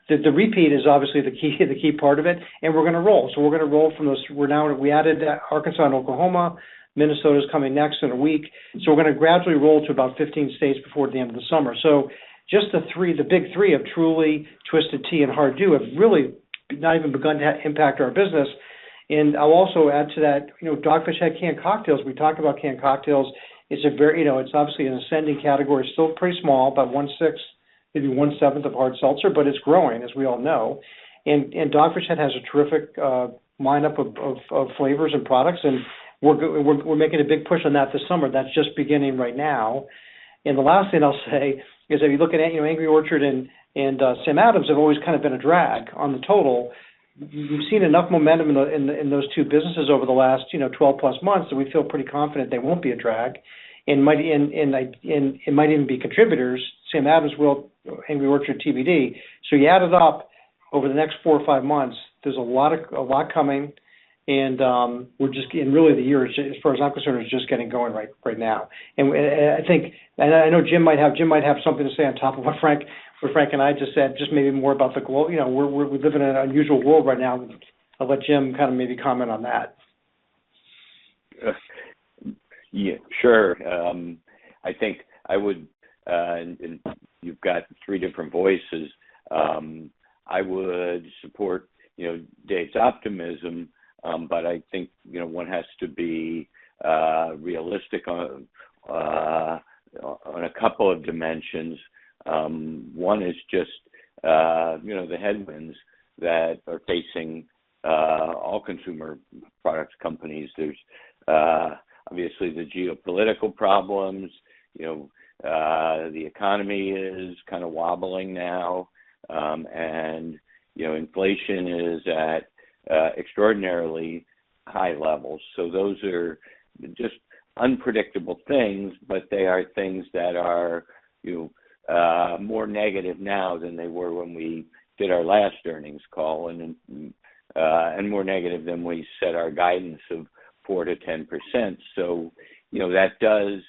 The repeat is obviously the key part of it, and we're gonna roll. We're gonna roll from those. We added Arkansas and Oklahoma. Minnesota's coming next in a week. We're gonna gradually roll to about 15 states before the end of the summer. Just the three, the big three of Truly, Twisted Tea, and Hard Dew have really not even begun to impact our business. I'll also add to that, you know, Dogfish Head Canned Cocktails. We talked about canned cocktails. It's a very, you know, it's obviously an ascending category, still pretty small, about 1/6, maybe 1/7 of hard seltzer, but it's growing, as we all know. Dogfish Head has a terrific lineup of flavors and products, and we're making a big push on that this summer. That's just beginning right now. The last thing I'll say is if you look at Angry Orchard and Sam Adams have always kind of been a drag on the total. We've seen enough momentum in those two businesses over the last, you know, 12+ months, and we feel pretty confident they won't be a drag. It might even be contributors, Sam Adams will, Angry Orchard TBD. You add it up over the next four or five months, there's a lot coming. We're just, really the year, as far as I'm concerned, is just getting going right now. I know Jim might have something to say on top of what Frank and I just said, just maybe more about you know, we're living in an unusual world right now. I'll let Jim kind of maybe comment on that. Yeah, sure. I think I would, and you've got three different voices. I would support, you know, Dave's optimism, but I think, you know, one has to be realistic on a couple of dimensions. One is just, you know, the headwinds that are facing all consumer products companies. There's obviously the geopolitical problems, you know, the economy is kinda wobbling now, and, you know, inflation is at extraordinarily high levels. Those are just unpredictable things, but they are things that are, you know, more negative now than they were when we did our last earnings call, and more negative than we set our guidance of 4%-10%. You know, that does.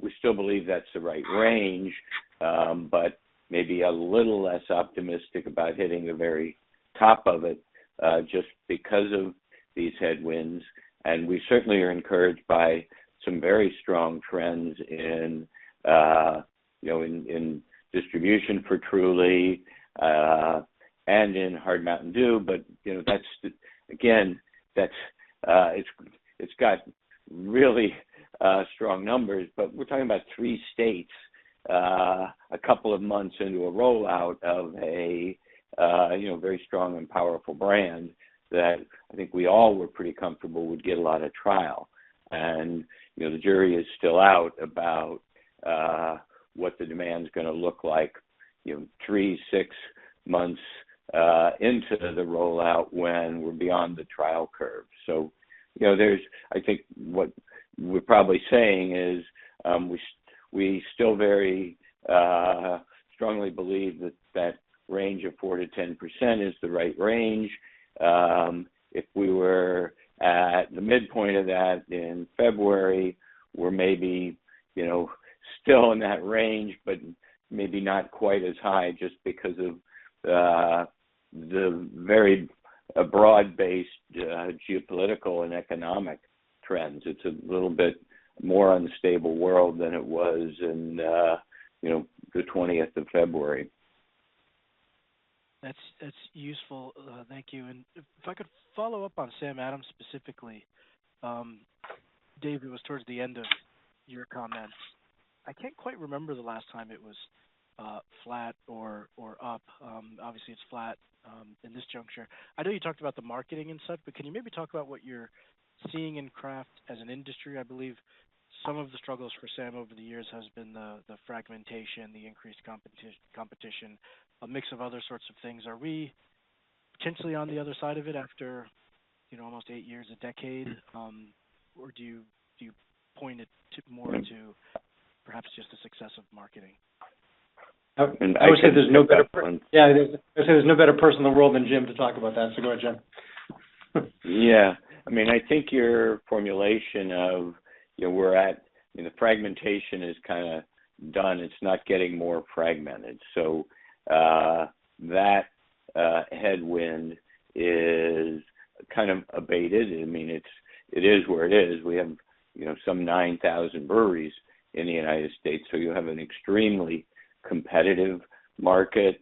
We still believe that's the right range, but maybe a little less optimistic about hitting the very top of it just because of these headwinds. We certainly are encouraged by some very strong trends in distribution for Truly and in Hard Mountain Dew. You know, that's again, it's got really strong numbers, but we're talking about three states, a couple of months into a rollout of a very strong and powerful brand that I think we all were pretty comfortable would get a lot of trial. You know, the jury is still out about what the demand is gonna look like three, six months into the rollout when we're beyond the trial curve. I think what we're probably saying is, we still very strongly believe that range of 4%-10% is the right range. If we were at the midpoint of that in February, we're maybe, you know, still in that range, but maybe not quite as high just because of the very broad-based geopolitical and economic trends. It's a little bit more unstable world than it was in, you know, the 20th February. That's useful. Thank you. If I could follow up on Sam Adams specifically, Dave, it was towards the end of your comments. I can't quite remember the last time it was flat or up. Obviously, it's flat in this juncture. I know you talked about the marketing and such, but can you maybe talk about what you're seeing in craft as an industry? I believe some of the struggles for Sam over the years has been the fragmentation, the increased competition, a mix of other sorts of things. Are we potentially on the other side of it after you know almost eight years, a decade? Or do you point it to more to perhaps just the success of marketing? I would say there's no better per- And I think- Yeah. I'd say there's no better person in the world than Jim to talk about that. Go ahead, Jim. Yeah. I mean, I think your formulation of, you know, we're at. I mean, the fragmentation is kinda done. It's not getting more fragmented. That headwind is kind of abated. I mean, it is where it is. We have, you know, some 9,000 breweries in the United States, so you have an extremely competitive market.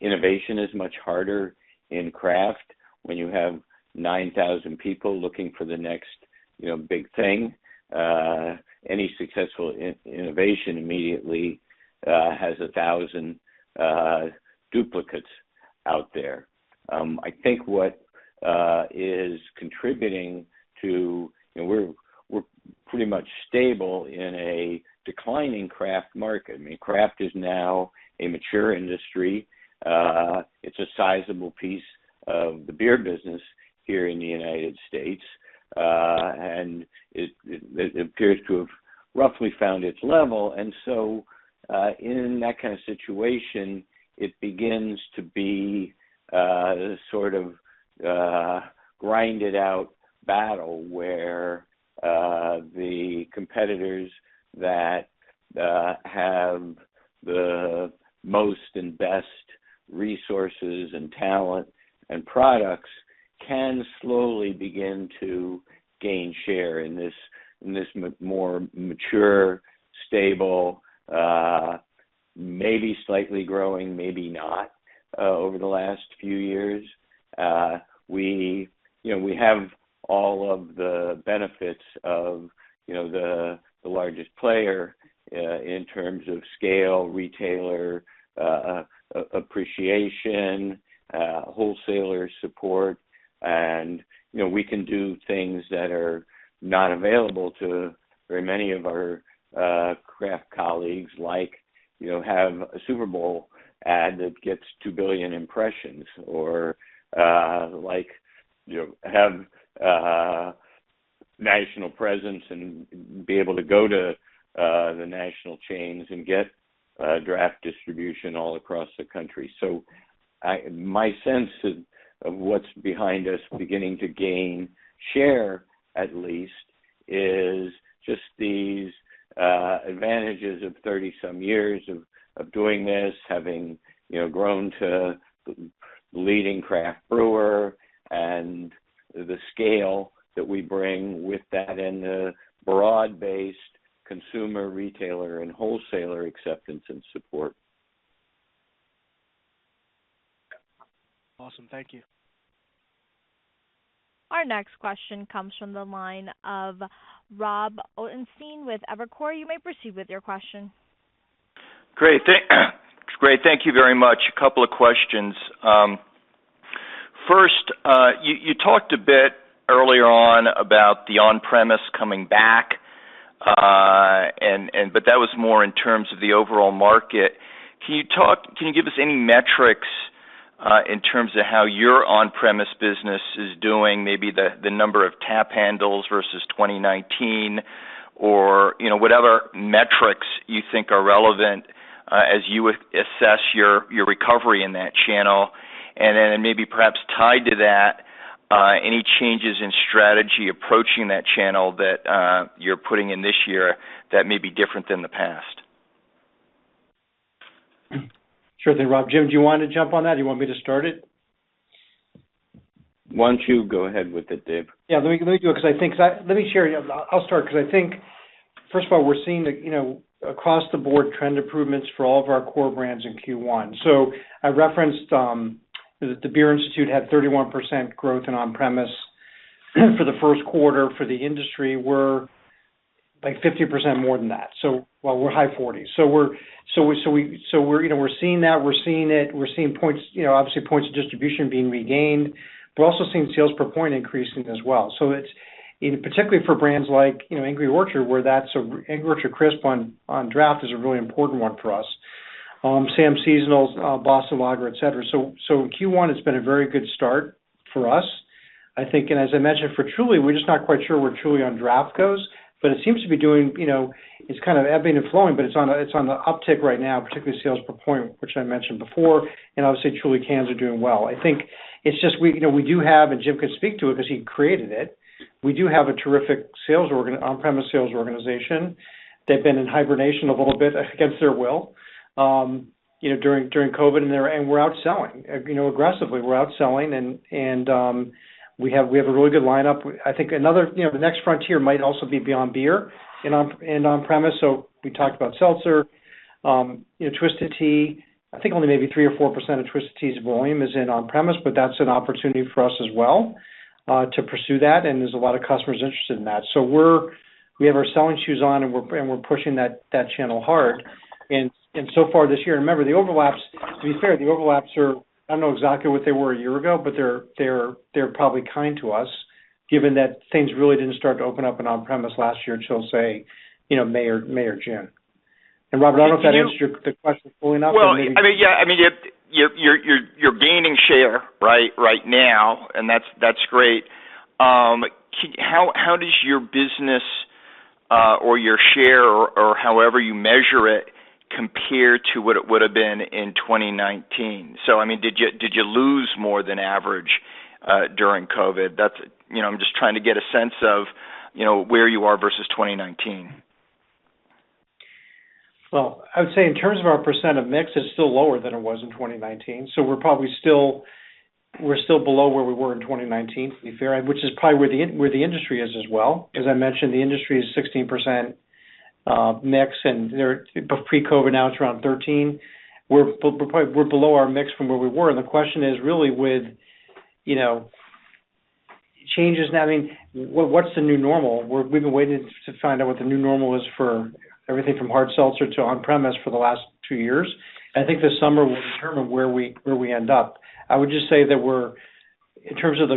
Innovation is much harder in craft when you have 9,000 people looking for the next, you know, big thing. Any successful innovation immediately has 1,000 duplicates out there. I think what is contributing to, you know, we're pretty much stable in a declining craft market. I mean, craft is now a mature industry. It's a sizable piece of the beer business here in the United States. It appears to have roughly found its level. In that kind of situation, it begins to be sort of a grinded out battle where the competitors that have the most and best resources and talent and products can slowly begin to gain share in this more mature, stable, maybe slightly growing, maybe not, over the last few years. We, you know, we have all of the benefits of, you know, the largest player in terms of scale, retailer appreciation, wholesaler support. You know, we can do things that are not available to very many of our craft colleagues like, you know, have a Super Bowl ad that gets 2 billion impressions or, like, you know, have a national presence and be able to go to the national chains and get draft distribution all across the country. My sense of what's behind us beginning to gain share at least is just these advantages of 30-some years of doing this, having you know grown to the leading craft brewer and the scale that we bring with that and the broad-based consumer retailer and wholesaler acceptance and support. Awesome. Thank you. Our next question comes from the line of Rob Ottenstein with Evercore. You may proceed with your question. Great. Thank you very much. A couple of questions. First, you talked a bit earlier on about the on-premise coming back. But that was more in terms of the overall market. Can you give us any metrics in terms of how your on-premise business is doing, maybe the number of tap handles versus 2019, or, you know, whatever metrics you think are relevant, as you assess your recovery in that channel? And then maybe perhaps tied to that, any changes in strategy approaching that channel that you're putting in this year that may be different than the past? Sure thing, Rob. Jim, do you want to jump on that? Do you want me to start it? Why don't you go ahead with it, Dave? Yeah. Let me do it because I think first of all, we're seeing, you know, across the board trend improvements for all of our core brands in Q1. I referenced that the Beer Institute had 31% growth in on-premise for the first quarter for the industry. We're like 50% more than that. Well, we're high 40%. We're, you know, we're seeing that. We're seeing it. We're seeing points, you know, obviously points of distribution being regained, but also seeing sales per point increasing as well. It's particularly for brands like, you know, Angry Orchard, where Angry Orchard Crisp on draft is a really important one for us. Sam Seasonals, Boston Lager, etc. Q1 has been a very good start for us. I think, as I mentioned, for Truly, we're just not quite sure where Truly on draft goes, but it seems to be doing, you know, it's kind of ebbing and flowing, but it's on the uptick right now, particularly sales per point, which I mentioned before. Obviously, Truly cans are doing well. I think it's just we, you know, we do have, and Jim can speak to it because he created it. We do have a terrific on-premise sales organization. They've been in hibernation a little bit against their will, you know, during COVID, and they're out selling, you know, aggressively. We're out selling and, um, we have a really good lineup. I think another, you know, the next frontier might also be beyond beer and on-premise. We talked about seltzer, you know, Twisted Tea. I think only maybe 3% or 4% of Twisted Tea's volume is in on-premise, but that's an opportunity for us as well to pursue that. There's a lot of customers interested in that. We have our selling shoes on, and we're pushing that channel hard. So far this year, remember, the overlaps, to be fair, are, I don't know exactly what they were a year ago, but they're probably kind to us, given that things really didn't start to open up in on-premise last year till, say, you know, May or June. Rob, I don't know if that answers your question fully enough or maybe Well, I mean, yeah, you're gaining share right now, and that's great. How does your business or your share or however you measure it compare to what it would have been in 2019? I mean, did you lose more than average during COVID? You know, I'm just trying to get a sense of where you are versus 2019. Well, I would say in terms of our percent of mix, it's still lower than it was in 2019. We're still below where we were in 2019, to be fair, which is probably where the industry is as well. As I mentioned, the industry is 16% mix, and their pre-COVID, now it's around 13%. We're probably below our mix from where we were. The question is really, you know, what changes now mean. What's the new normal? We've been waiting to find out what the new normal is for everything from hard seltzer to on-premise for the last two years. I think this summer will determine where we end up. I would just say that we're... In terms of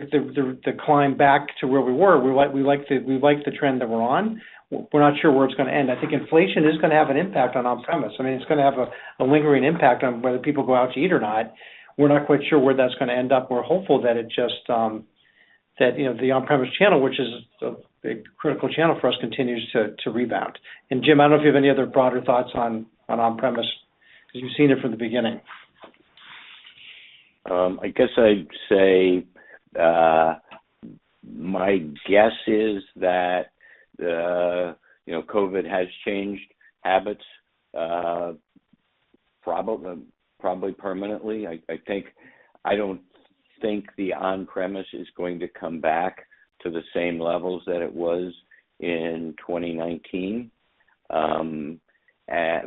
the climb back to where we were, we like the trend that we're on. We're not sure where it's gonna end. I think inflation is gonna have an impact on on-premise. I mean, it's gonna have a lingering impact on whether people go out to eat or not. We're not quite sure where that's gonna end up. We're hopeful that you know the on-premise channel, which is a critical channel for us, continues to rebound. Jim, I don't know if you have any other broader thoughts on on-premise, 'cause you've seen it from the beginning. I guess I'd say, my guess is that, you know, COVID has changed habits, probably permanently. I don't think the on-premise is going to come back to the same levels that it was in 2019, and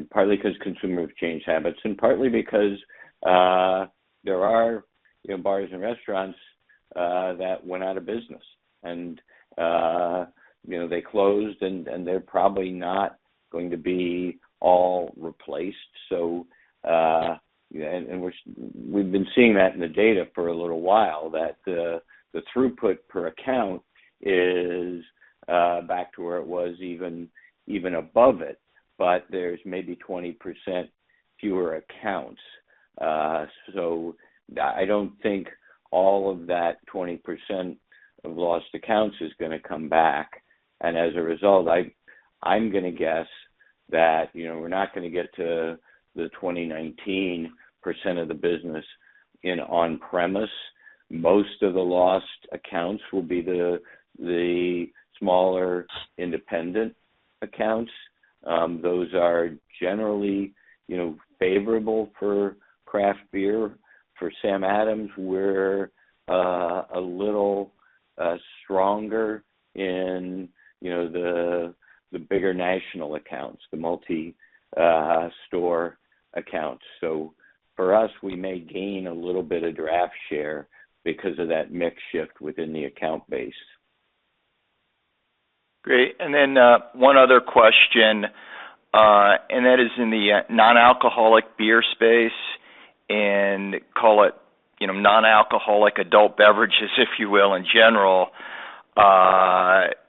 partly 'cause consumers changed habits, and partly because, you know, there are bars and restaurants that went out of business and, you know, they closed and they're probably not going to be all replaced. Yeah, and we've been seeing that in the data for a little while, that the throughput per account is back to where it was, even above it. But there's maybe 20% fewer accounts. I don't think all of that 20% of lost accounts is gonna come back, and as a result, I'm gonna guess that, you know, we're not gonna get to the 2019 percent of the business in on-premise. Most of the lost accounts will be the smaller independent accounts. Those are generally, you know, favorable for craft beer. For Sam Adams, we're a little stronger in, you know, the bigger national accounts, the multi-store accounts. For us, we may gain a little bit of draft share because of that mix shift within the account base. Great. One other question, and that is in the non-alcoholic beer space and call it, you know, non-alcoholic adult beverages, if you will, in general.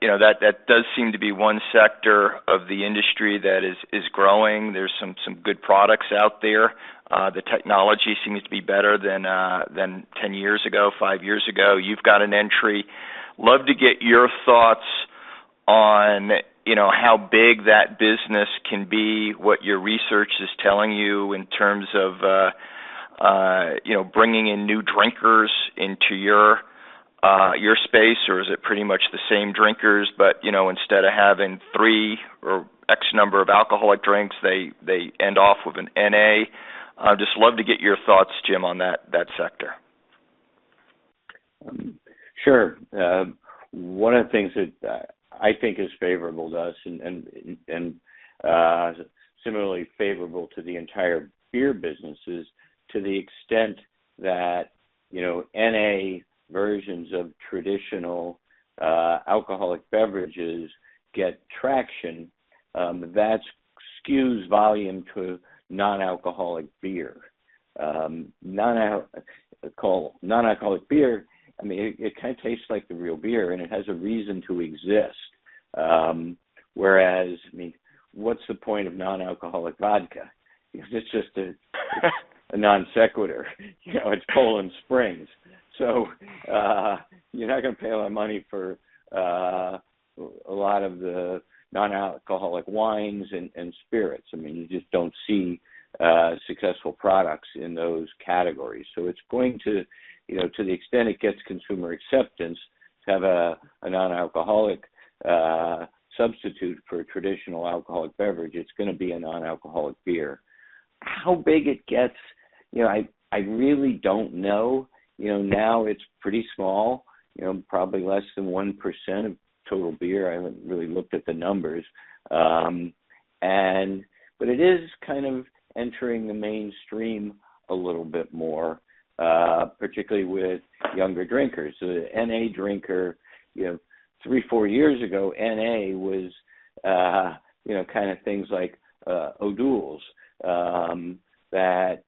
You know, that does seem to be one sector of the industry that is growing. There's some good products out there. The technology seems to be better than 10 years ago, five years ago. You've got an entry. Love to get your thoughts on, you know, how big that business can be, what your research is telling you in terms of, you know, bringing in new drinkers into your space, or is it pretty much the same drinkers, but, you know, instead of having three or X number of alcoholic drinks, they end off with an NA? I'd just love to get your thoughts, Jim, on that sector. Sure. One of the things that I think is favorable to us and similarly favorable to the entire beer business is to the extent that, you know, NA versions of traditional alcoholic beverages get traction, that skews volume to non-alcoholic beer. Non-alcoholic beer, I mean, it kinda tastes like the real beer, and it has a reason to exist. Whereas, I mean, what's the point of non-alcoholic vodka? Because it's just a non-sequitur. You know, it's Poland Spring. So, you're not gonna pay a lot of money for a lot of the non-alcoholic wines and spirits. I mean, you just don't see successful products in those categories. It's going to, you know, to the extent it gets consumer acceptance to have a non-alcoholic substitute for a traditional alcoholic beverage. It's gonna be a non-alcoholic beer. How big it gets, you know, I really don't know. You know, now it's pretty small, you know, probably less than 1% of total beer. I haven't really looked at the numbers. But it is kind of entering the mainstream a little bit more, particularly with younger drinkers. The NA drinker, you know, three four years ago, NA was, you know, kind of things like O'Douls that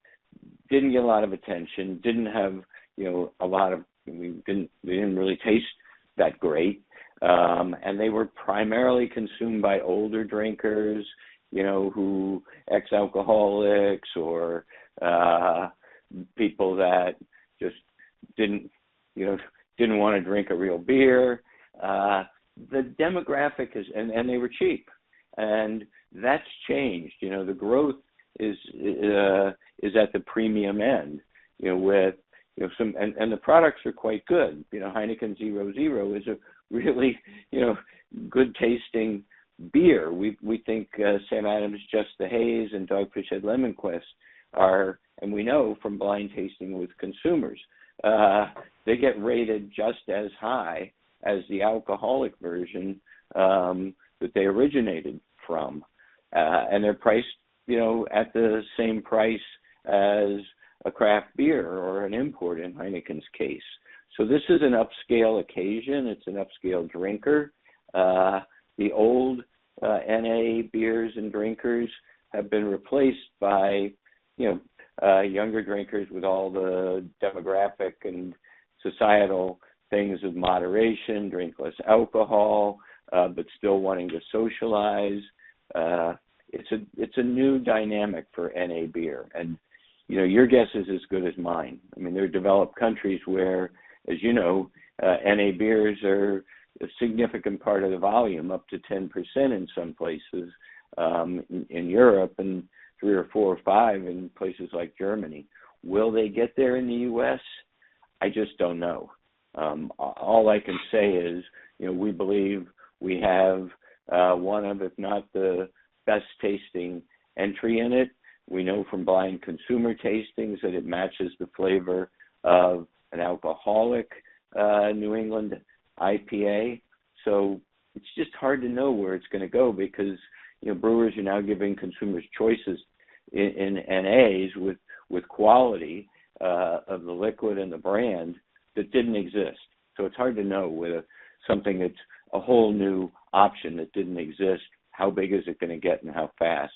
didn't get a lot of attention. I mean, they didn't really taste that great. They were primarily consumed by older drinkers, you know, who ex-alcoholics or people that just didn't, you know, didn't wanna drink a real beer. They were cheap, and that's changed. You know, the growth is at the premium end, you know, with some. The products are quite good. You know, Heineken 0.0 is a really, you know, good tasting beer. We think Sam Adams Just The Haze and Dogfish Head Lemon Quest are. We know from blind tasting with consumers, they get rated just as high as the alcoholic version that they originated from. They're priced, you know, at the same price as a craft beer or an import in Heineken's case. This is an upscale occasion. It's an upscale drinker. The old NA beers and drinkers have been replaced by, you know, younger drinkers with all the demographic and societal things of moderation, drink less alcohol, but still wanting to socialize. It's a new dynamic for NA beer and, you know, your guess is as good as mine. I mean, there are developed countries where, as you know, NA beers are a significant part of the volume, up to 10% in some places, in Europe and three, four or five in places like Germany. Will they get there in the U.S.? I just don't know. All I can say is, you know, we believe we have one of, if not the best tasting entry in it. We know from blind consumer tastings that it matches the flavor of an alcoholic New England IPA. It's just hard to know where it's gonna go because, you know, brewers are now giving consumers choices in NAs with quality of the liquid and the brand that didn't exist. It's hard to know with something that's a whole new option that didn't exist, how big is it gonna get and how fast.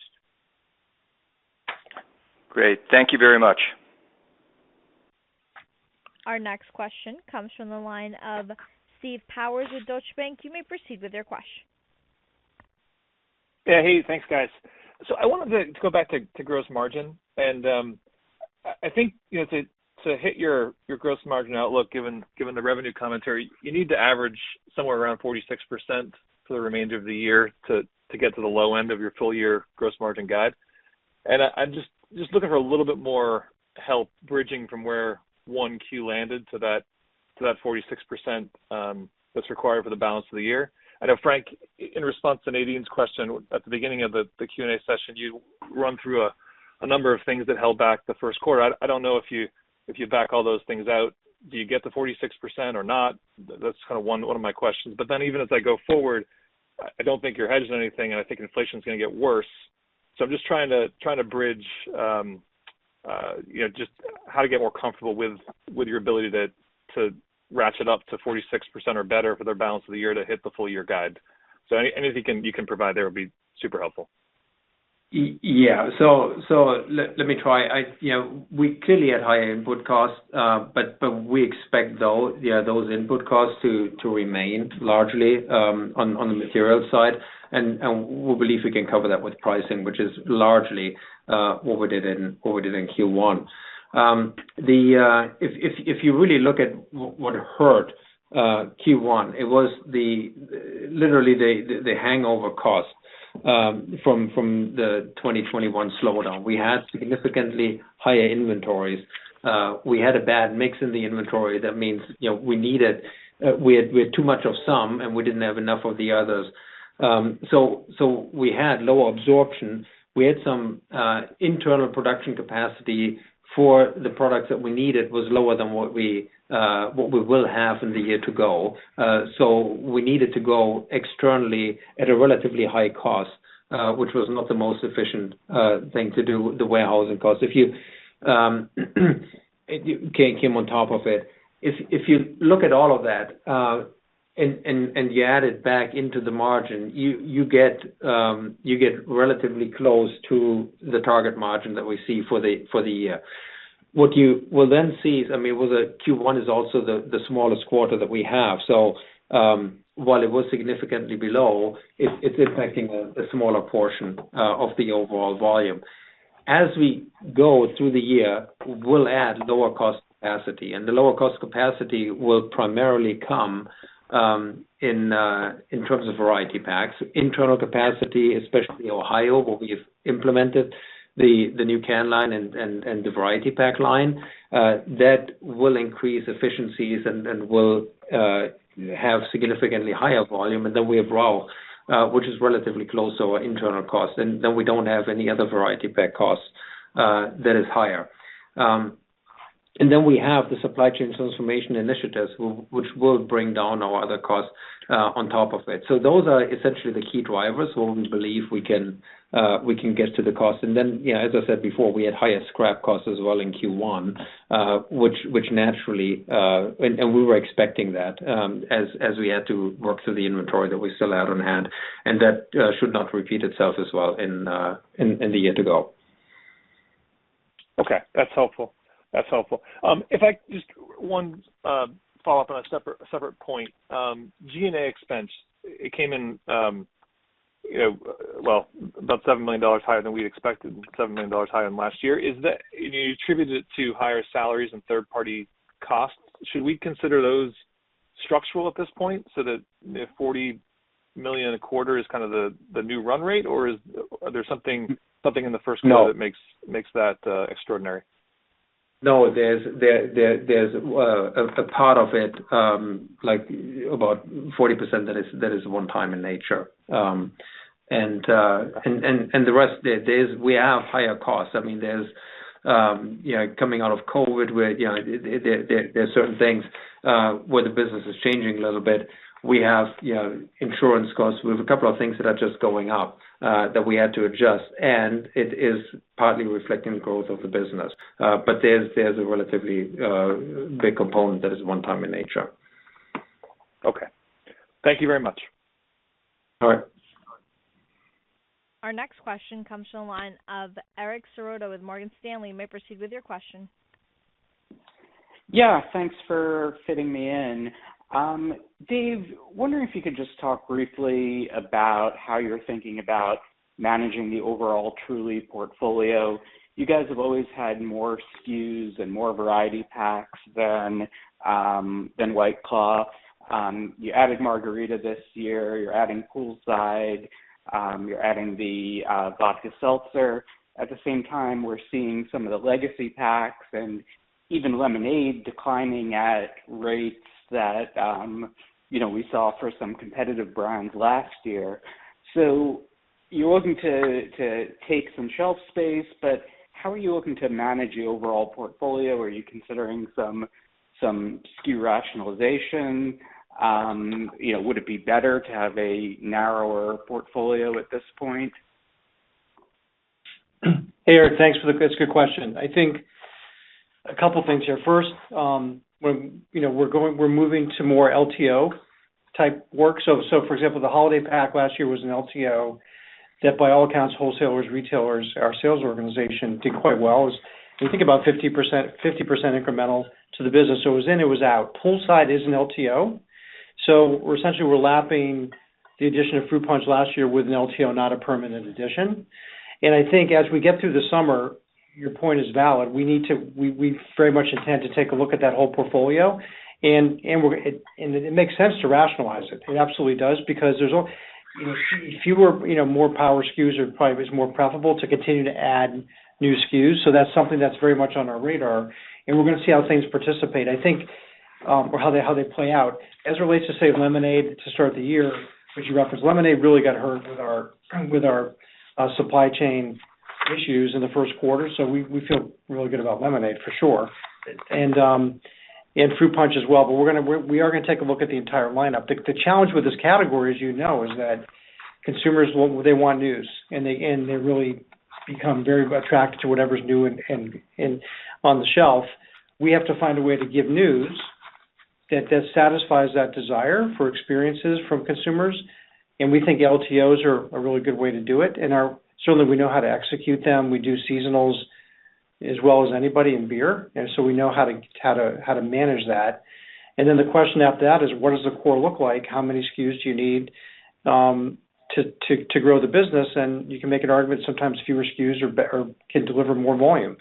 Great. Thank you very much. Our next question comes from the line of Steve Powers with Deutsche Bank. You may proceed with your question. Yeah. Hey, thanks, guys. I wanted to go back to gross margin. I think, you know, to hit your gross margin outlook, given the revenue commentary, you need to average somewhere around 46% for the remainder of the year to get to the low end of your full year gross margin guide. I'm just looking for a little bit more help bridging from where Q1 landed to that 46% that's required for the balance of the year. I know, Frank, in response to Nadine's question at the beginning of the Q&A session, you run through a number of things that held back the first quarter. I don't know if you back all those things out, do you get to 46% or not? That's kind of one of my questions. Then even as I go forward, I don't think you're hedged on anything, and I think inflation is gonna get worse. I'm just trying to bridge, you know, just how to get more comfortable with your ability to ratchet up to 46% or better for the balance of the year to hit the full year guide. Anything you can provide there would be super helpful. Yeah. Let me try. You know, we clearly had higher input costs, but we expect those input costs to remain largely on the material side. We believe we can cover that with pricing, which is largely what we did in Q1. If you really look at what hurt Q1, it was literally the hangover cost from the 2021 slowdown. We had significantly higher inventories. We had a bad mix in the inventory. That means, you know, we needed. We had too much of some, and we didn't have enough of the others. So we had lower absorption. We had some internal production capacity for the products that we needed was lower than what we will have in the year to go. We needed to go externally at a relatively high cost, which was not the most efficient thing to do with the warehousing cost. If you came on top of it. If you look at all of that, and you add it back into the margin, you get relatively close to the target margin that we see for the year. What you will then see, I mean, was that Q1 is also the smallest quarter that we have. While it was significantly below, it's impacting a smaller portion of the overall volume. As we go through the year, we'll add lower cost capacity, and the lower cost capacity will primarily come in terms of variety packs. Internal capacity, especially Ohio, where we've implemented the new can line and the variety pack line. That will increase efficiencies and will have significantly higher volume. We have Reyes, which is relatively close to our internal cost. We don't have any other variety pack cost that is higher. We have the supply chain transformation initiatives which will bring down our other costs on top of it. Those are essentially the key drivers where we believe we can get to the cost. You know, as I said before, we had higher scrap costs as well in Q1, which naturally. We were expecting that, as we had to work through the inventory that we still had on hand, and that should not repeat itself as well in the year to go. Okay. That's helpful. Just one follow-up on a separate point. G&A expense, it came in, you know, well, about $7 million higher than we expected, $7 million higher than last year. You attributed it to higher salaries and third-party costs. Should we consider those structural at this point so that if $40 million a quarter is kind of the new run rate, or is there something in the first quarter? No. that makes that extraordinary? No. There's a part of it, like about 40% that is one time in nature. The rest, we have higher costs. I mean, there's, you know, coming out of COVID where, you know, there's certain things where the business is changing a little bit. We have, you know, insurance costs. We have a couple of things that are just going up that we had to adjust, and it is partly reflecting growth of the business. There's a relatively big component that is one time in nature. Okay. Thank you very much. All right. Our next question comes from the line of Eric Serotta with Morgan Stanley. You may proceed with your question. Yeah, thanks for fitting me in. Dave, I'm wondering if you could just talk briefly about how you're thinking about managing the overall Truly portfolio. You guys have always had more SKUs and more variety packs than White Claw. You added Margarita this year, you're adding poolside, you're adding the vodka seltzer. At the same time, we're seeing some of the legacy packs and even lemonade declining at rates that you know we saw for some competitive brands last year. You're looking to take some shelf space, but how are you looking to manage the overall portfolio? Are you considering some SKU rationalization? You know, would it be better to have a narrower portfolio at this point? Hey, Eric, that's a good question. I think a couple things here. First, you know, we're moving to more LTO-type work. So for example, the holiday pack last year was an LTO that by all accounts, wholesalers, retailers, our sales organization did quite well. It was, we think, about 50% incremental to the business. So it was in, it was out. Poolside is an LTO, so we're essentially lapping the addition of fruit punch last year with an LTO, not a permanent addition. I think as we get through the summer, your point is valid. We very much intend to take a look at that whole portfolio and it makes sense to rationalize it. It absolutely does because there's you know, fewer, you know, more powerful SKUs are probably more profitable to continue to add new SKUs. That's something that's very much on our radar, and we're gonna see how things participate. I think or how they play out. As it relates to say, lemonade to start the year, which you referenced, lemonade really got hurt with our supply chain issues in the first quarter, so we feel really good about lemonade for sure and fruit punch as well. But we are gonna take a look at the entire lineup. The challenge with this category, as you know, is that consumers want news, and they really become very attracted to whatever's new and on the shelf. We have to find a way to give news that satisfies that desire for experiences from consumers, and we think LTOs are a really good way to do it, certainly we know how to execute them. We do seasonals as well as anybody in beer, and so we know how to manage that. The question after that is, what does the core look like? How many SKUs do you need to grow the business? You can make an argument sometimes fewer SKUs or can deliver more volume.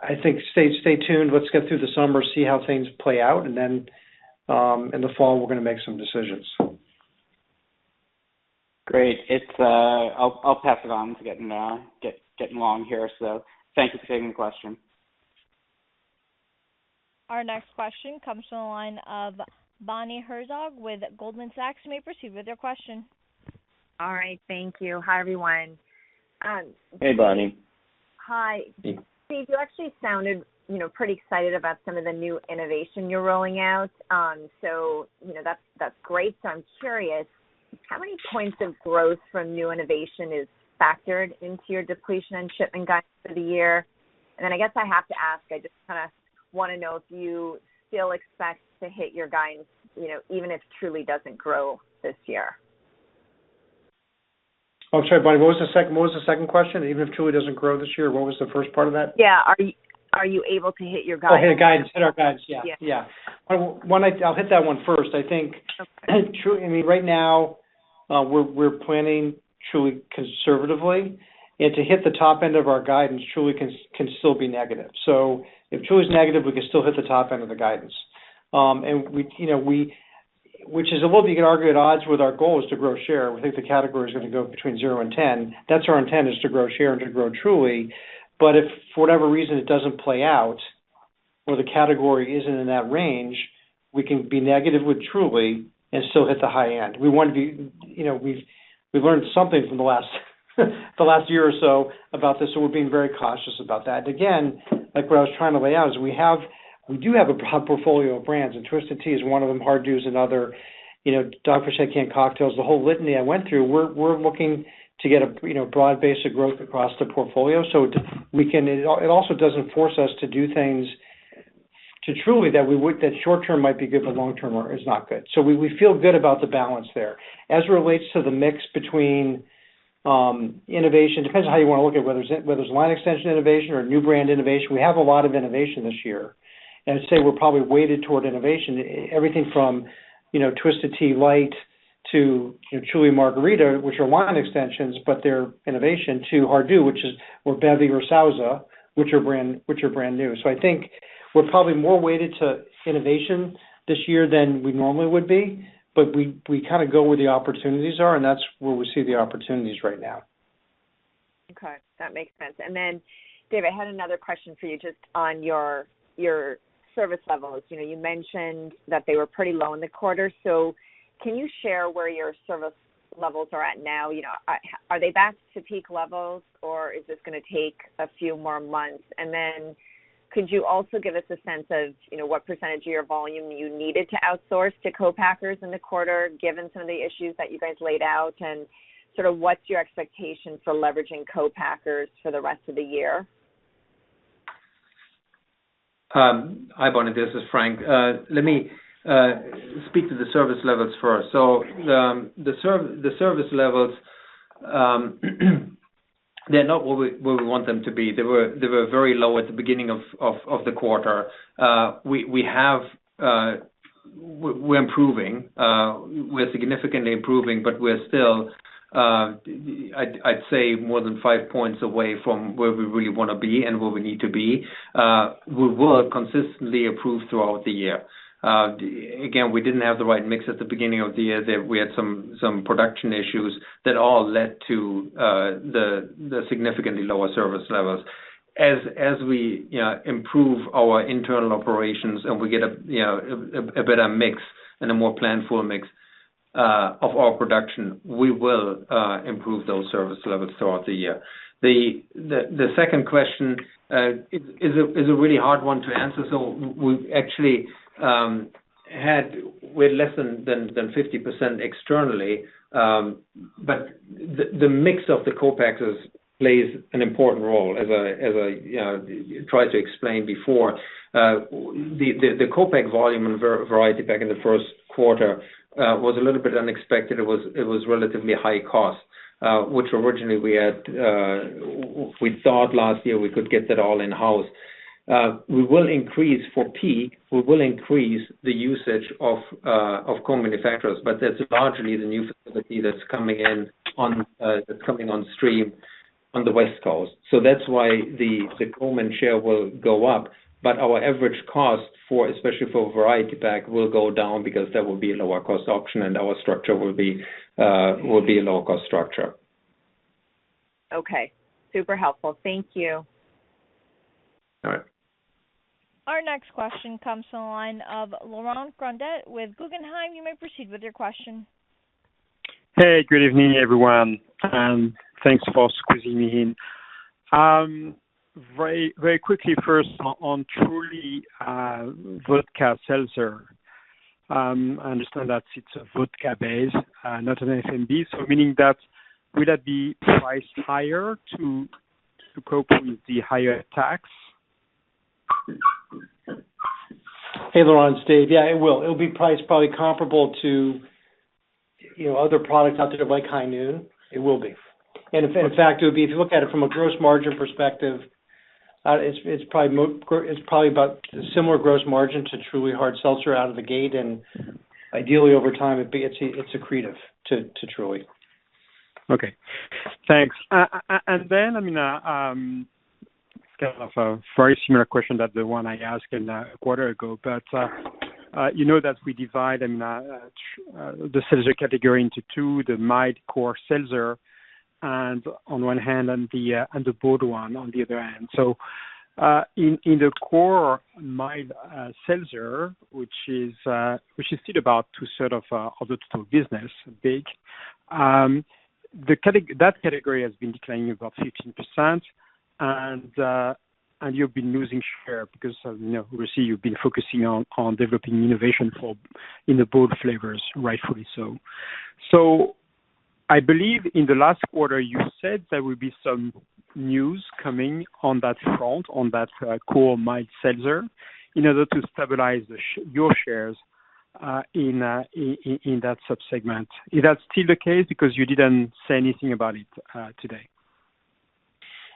I think stay tuned. Let's get through the summer, see how things play out, and then in the fall, we're gonna make some decisions. Great. It's, I'll pass it on. It's getting long here, so thank you for taking the question. Our next question comes from the line of Bonnie Herzog with Goldman Sachs. You may proceed with your question. All right. Thank you. Hi, everyone. Hey, Bonnie. Hi. Hey. Dave, you actually sounded, you know, pretty excited about some of the new innovation you're rolling out. You know, that's great. I'm curious how many points of growth from new innovation is factored into your depletion and shipment guidance for the year? I guess I have to ask, I just kinda wanna know if you still expect to hit your guidance, you know, even if Truly doesn't grow this year. I'm sorry, Bonnie, what was the second question? Even if Truly doesn't grow this year? What was the first part of that? Yeah. Are you able to hit your guidance? Oh, hit our guidance. Yeah. Yeah. Yeah. I'll hit that one first, I think. Okay. Truly, I mean, right now, we're planning Truly conservatively, and to hit the top end of our guidance, Truly can still be negative. If Truly is negative, we can still hit the top end of the guidance. We, you know, which is a little, you can argue, at odds with our goal is to grow share. We think the category is gonna go between 0% and 10%. That's our intent is to grow share and to grow Truly. If for whatever reason it doesn't play out or the category isn't in that range, we can be negative with Truly and still hit the high end. We wanna be, you know, we've learned something from the last year or so about this, so we're being very cautious about that. Again, like what I was trying to lay out is we have a portfolio of brands, and Twisted Tea is one of them, hard seltzer is another. You know, Dr Pepper canned cocktails, the whole litany I went through. We're looking to get a broad base of growth across the portfolio so it also doesn't force us to do things to Truly that we would that short term might be good, but long term is not good. So we feel good about the balance there. As it relates to the mix between innovation, depends on how you wanna look at, whether it's line extension innovation or new brand innovation. We have a lot of innovation this year, and I'd say we're probably weighted toward innovation. Everything from, you know, Twisted Tea Light to, you know, Truly Margarita, which are line extensions, but they're innovation to hard seltzer, which is or Bevy or Sauza, which are brand new. I think we're probably more weighted to innovation this year than we normally would be, but we kinda go where the opportunities are, and that's where we see the opportunities right now. Okay, that makes sense. Dave, I had another question for you just on your service levels. You know, you mentioned that they were pretty low in the quarter, so can you share where your service levels are at now? You know, are they back to peak levels or is this gonna take a few more months? Could you also give us a sense of, you know, what percentage of your volume you needed to outsource to co-packers in the quarter, given some of the issues that you guys laid out, and sort of what's your expectation for leveraging co-packers for the rest of the year? Hi, Bonnie, this is Frank. Let me speak to the service levels first. The service levels, they're not where we want them to be. They were very low at the beginning of the quarter. We're improving. We're significantly improving, but we're still, I'd say more than five points away from where we really wanna be and where we need to be. We will consistently improve throughout the year. Again, we didn't have the right mix at the beginning of the year. We had some production issues that all led to the significantly lower service levels. As we, you know, improve our internal operations and we get you know a better mix and a more planful mix of our production, we will improve those service levels throughout the year. The second question is a really hard one to answer. We've actually had way less than 50% externally. The mix of the co-packers plays an important role. As I you know tried to explain before, the co-pack volume and variety pack in the first quarter was a little bit unexpected. It was relatively high cost, which originally we had we thought last year we could get that all in-house. We will increase for peak. We will increase the usage of co-manufacturers, but that's largely the new facility that's coming on stream on the West Coast. That's why the co-man share will go up, but our average cost for, especially for variety pack will go down because that will be a lower cost option and our structure will be a lower cost structure. Okay. Super helpful. Thank you. All right. Our next question comes from the line of Laurent Grandet with Guggenheim. You may proceed with your question. Hey, good evening, everyone. Thanks for squeezing me in. Very, very quickly first on Truly Vodka Seltzer. I understand that it's a vodka base, not an FMB, so meaning that would that be priced higher to cope with the higher tax? Hey, Laurent. It's Dave. Yeah, it will. It'll be priced probably comparable to, you know, other products out there like High Noon. It will be. In fact, it would be, if you look at it from a gross margin perspective, it's probably about similar gross margin to Truly Hard Seltzer out of the gate, and ideally over time, it's accretive to Truly. Okay. Thanks. I mean, kind of a very similar question to the one I asked a quarter ago. You know that we divide the seltzer category into two, the mid core seltzer on one hand, and the bold one on the other hand. In the core mid seltzer, which is still about 2/3 of the total business, but that category has been declining about 15%. You've been losing share because, you know, obviously you've been focusing on developing innovation in the bold flavors, rightfully so. I believe in the last quarter, you said there will be some news coming on that front, on that core mid seltzer in order to stabilize your shares in that sub-segment. Is that still the case? Because you didn't say anything about it today.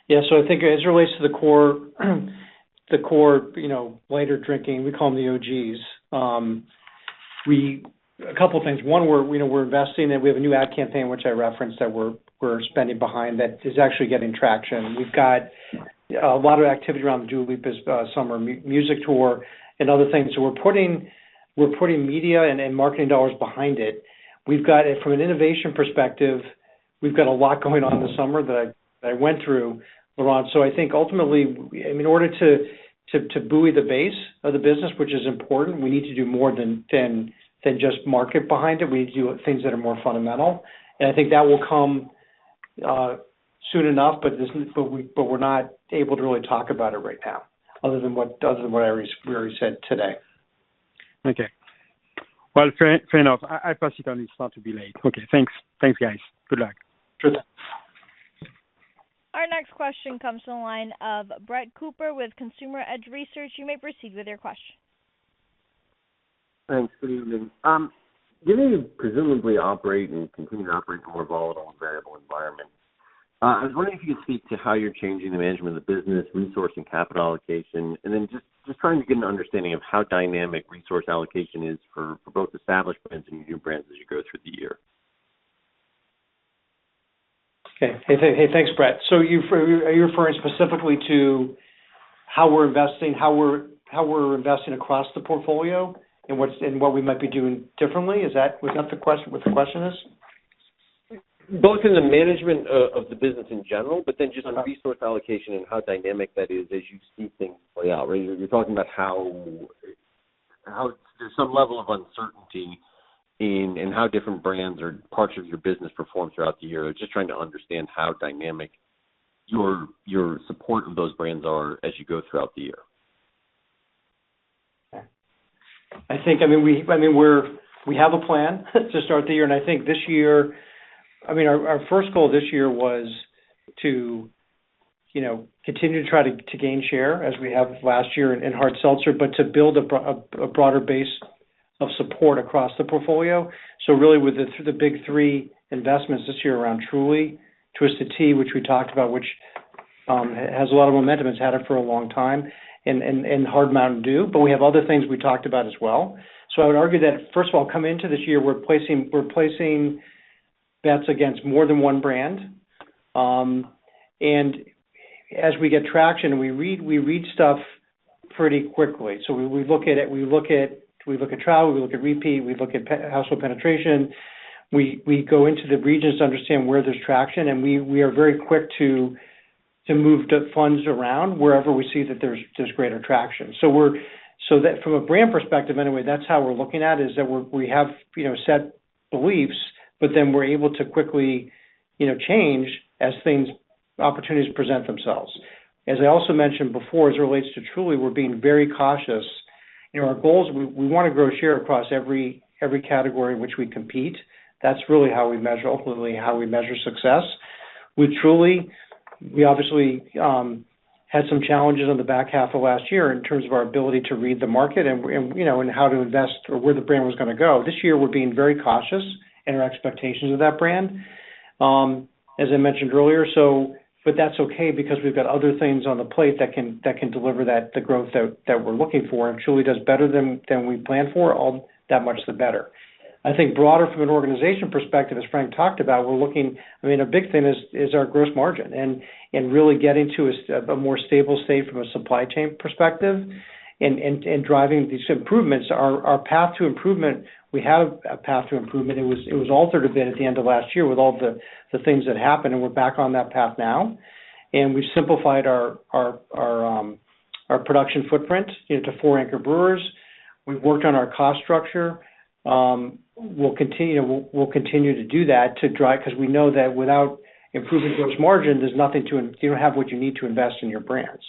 Yeah. I think as it relates to the core, you know, lighter drinking, we call them the OGs. A couple things. One, you know, we're investing, and we have a new ad campaign, which I referenced, that we're spending behind that is actually getting traction. We've got a lot of activity around the Dua Lipa's summer music tour and other things. We're putting media and marketing dollars behind it. We've got from an innovation perspective, we've got a lot going on this summer that I went through, Laurent. I think ultimately, in order to buoy the base of the business, which is important, we need to do more than just market behind it. We do things that are more fundamental, and I think that will come soon enough, but we're not able to really talk about it right now other than what we already said today. Okay. Well, fair enough. I press you on this not to belabor. Okay, thanks. Thanks, guys. Good luck. Good luck. Our next question comes from the line of Brett Cooper with Consumer Edge Research. You may proceed with your question. Thanks. Good evening. You may presumably operate and continue to operate in a more volatile and variable environment. I was wondering if you could speak to how you're changing the management of the business, resourcing capital allocation, and then just trying to get an understanding of how dynamic resource allocation is for both established brands and new brands as you go through the year. Okay. Hey, hey, thanks, Brett. Are you referring specifically to how we're investing across the portfolio and what we might be doing differently? Is that what the question is? Both in the management of the business in general, but then just on resource allocation and how dynamic that is as you see things play out. Right? You're talking about how there's some level of uncertainty in how different brands or parts of your business perform throughout the year. Just trying to understand how dynamic your support of those brands are as you go throughout the year. I think we have a plan to start the year, and I think this year our first goal this year was to, you know, continue to try to gain share as we have last year in Hard Seltzer, but to build a broader base of support across the portfolio. Really through the big three investments this year around Truly, Twisted Tea, which we talked about, which has a lot of momentum, it's had it for a long time, and Hard Mountain Dew. We have other things we talked about as well. I would argue that, first of all, coming into this year, we're placing bets against more than one brand as we get traction, we read stuff pretty quickly. We look at trial, repeat, household penetration. We go into the regions to understand where there's traction, and we are very quick to move the funds around wherever we see that there's greater traction. From a brand perspective anyway, that's how we're looking at is that we have, you know, set beliefs, but then we're able to quickly, you know, change as things, opportunities present themselves. As I also mentioned before, as it relates to Truly, we're being very cautious. You know, our goals, we wanna grow share across every category in which we compete. That's really how we measure, ultimately, how we measure success. With Truly, we obviously had some challenges on the back half of last year in terms of our ability to read the market and you know and how to invest or where the brand was gonna go. This year, we're being very cautious in our expectations of that brand, as I mentioned earlier. That's okay because we've got other things on the plate that can deliver the growth that we're looking for, and Truly does better than we planned for, all that much the better. I think broader from an organization perspective, as Frank talked about, we're looking I mean a big thing is our gross margin and really getting to a more stable state from a supply chain perspective and driving these improvements. Our path to improvement. We have a path to improvement. It was altered a bit at the end of last year with all the things that happened, and we're back on that path now. We've simplified our production footprint into four anchor brewers. We've worked on our cost structure. We'll continue to do that to drive 'cause we know that without improving gross margin, there's nothing to you don't have what you need to invest in your brands.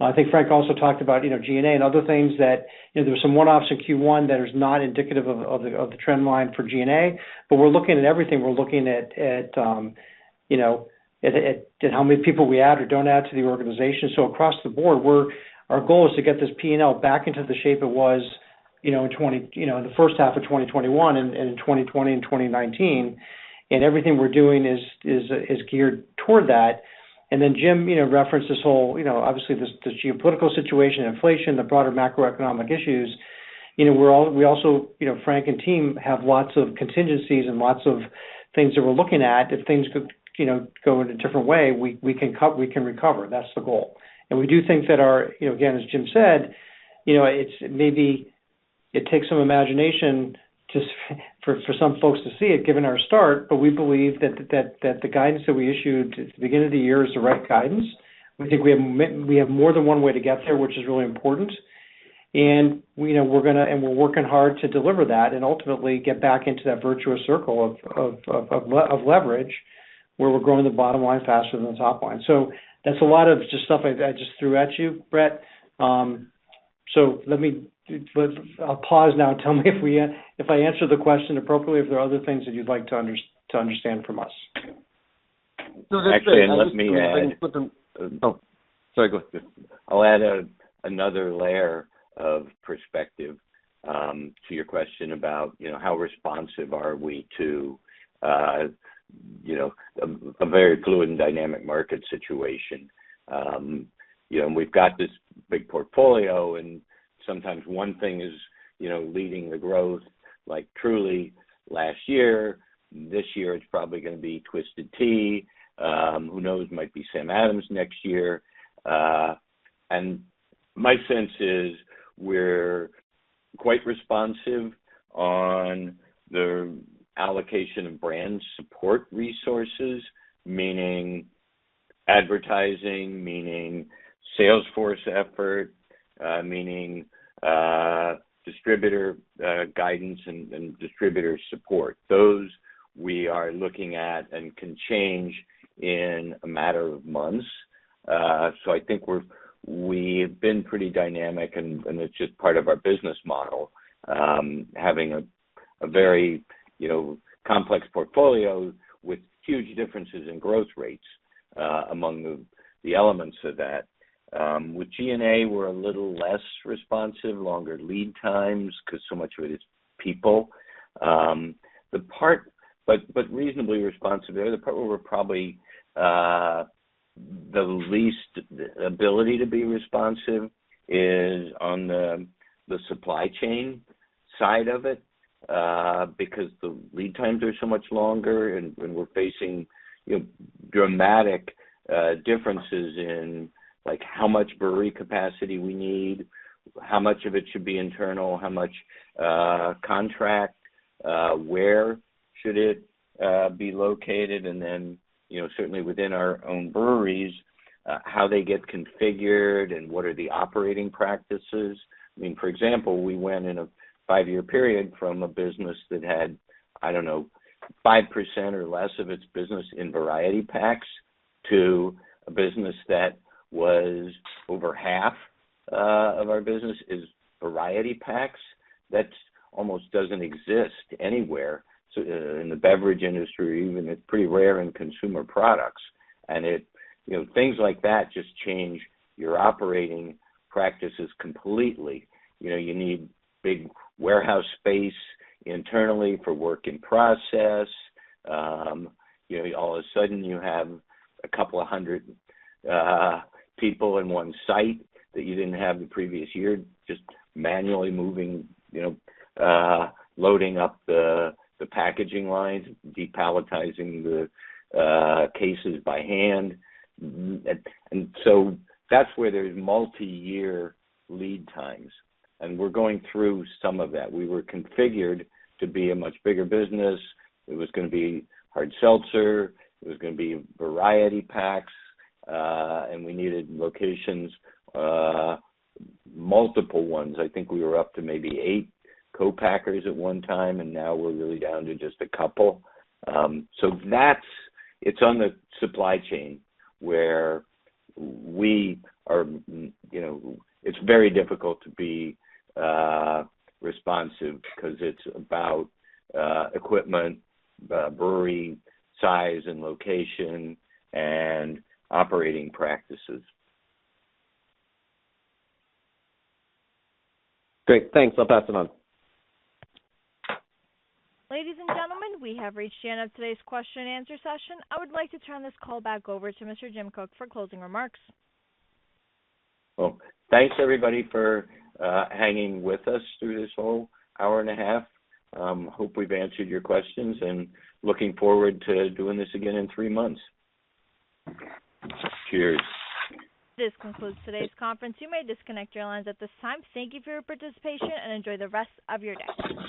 I think Frank also talked about you know, G&A and other things that you know, there's some one-offs in Q1 that is not indicative of the trend line for G&A, but we're looking at everything. We're looking at you know at how many people we add or don't add to the organization. Across the board, our goal is to get this P&L back into the shape it was, you know, in the first half of 2021 and in 2020 and 2019. Everything we're doing is geared toward that. Then Jim referenced this whole, you know, obviously this geopolitical situation, inflation, the broader macroeconomic issues. You know, we also, you know, Frank and team have lots of contingencies and lots of things that we're looking at. If things could, you know, go in a different way, we can recover. That's the goal. We do think that our, you know, again, as Jim said, you know, it's maybe it takes some imagination for some folks to see it, given our start, but we believe that the guidance that we issued at the beginning of the year is the right guidance. We think we have more than one way to get there, which is really important. You know, we're gonna work hard to deliver that and ultimately get back into that virtuous circle of leverage, where we're growing the bottom line faster than the top line. That's a lot of just stuff I just threw at you, Brett. So let me. I'll pause now and tell me if I answered the question appropriately, if there are other things that you'd like to understand from us. Actually, let me add. Oh, sorry, go ahead. I'll add another layer of perspective to your question about, you know, how responsive are we to, you know, a very fluid and dynamic market situation. You know, we've got this big portfolio, and sometimes one thing is, you know, leading the growth, like Truly last year. This year it's probably gonna be Twisted Tea. Who knows, might be Sam Adams next year. My sense is we're quite responsive on the allocation of brand support resources, meaning advertising, meaning sales force effort, meaning distributor guidance and distributor support. Those we are looking at and can change in a matter of months. I think we've been pretty dynamic, and it's just part of our business model, having a very, you know, complex portfolio with huge differences in growth rates among the elements of that. With G&A, we're a little less responsive, longer lead times 'cause so much of it is people, but reasonably responsive. The other part where we're probably the least ability to be responsive is on the supply chain side of it, because the lead times are so much longer and we're facing, you know, dramatic differences in, like, how much brewery capacity we need, how much of it should be internal, how much contract, where should it be located, and then, you know, certainly within our own breweries, how they get configured and what are the operating practices. I mean, for example, we went in a five-year period from a business that had, I don't know, 5% or less of its business in variety packs to a business that was over half of our business is variety packs. That almost doesn't exist anywhere. In the beverage industry, even it's pretty rare in consumer products, and it. You know, things like that just change your operating practices completely. You know, you need big warehouse space internally for work in process. All of a sudden you have 200 people in one site that you didn't have the previous year, just manually moving, loading up the packaging lines, depaletizing the cases by hand. That's where there's multiyear lead times, and we're going through some of that. We were configured to be a much bigger business. It was gonna be hard seltzer. It was gonna be variety packs, and we needed locations, multiple ones. I think we were up to maybe eight co-packers at one time, and now we're really down to just two. It's on the supply chain where we are, you know. It's very difficult to be responsive because it's about equipment, brewery size, location, and operating practices. Great. Thanks. I'll pass it on. Ladies and gentlemen, we have reached the end of today's question and answer session. I would like to turn this call back over to Mr. Jim Koch for closing remarks. Well, thanks, everybody, for hanging with us through this whole hour and a half. I hope we've answered your questions, and looking forward to doing this again in three months. Cheers. This concludes today's conference. You may disconnect your lines at this time. Thank you for your participation, and enjoy the rest of your day.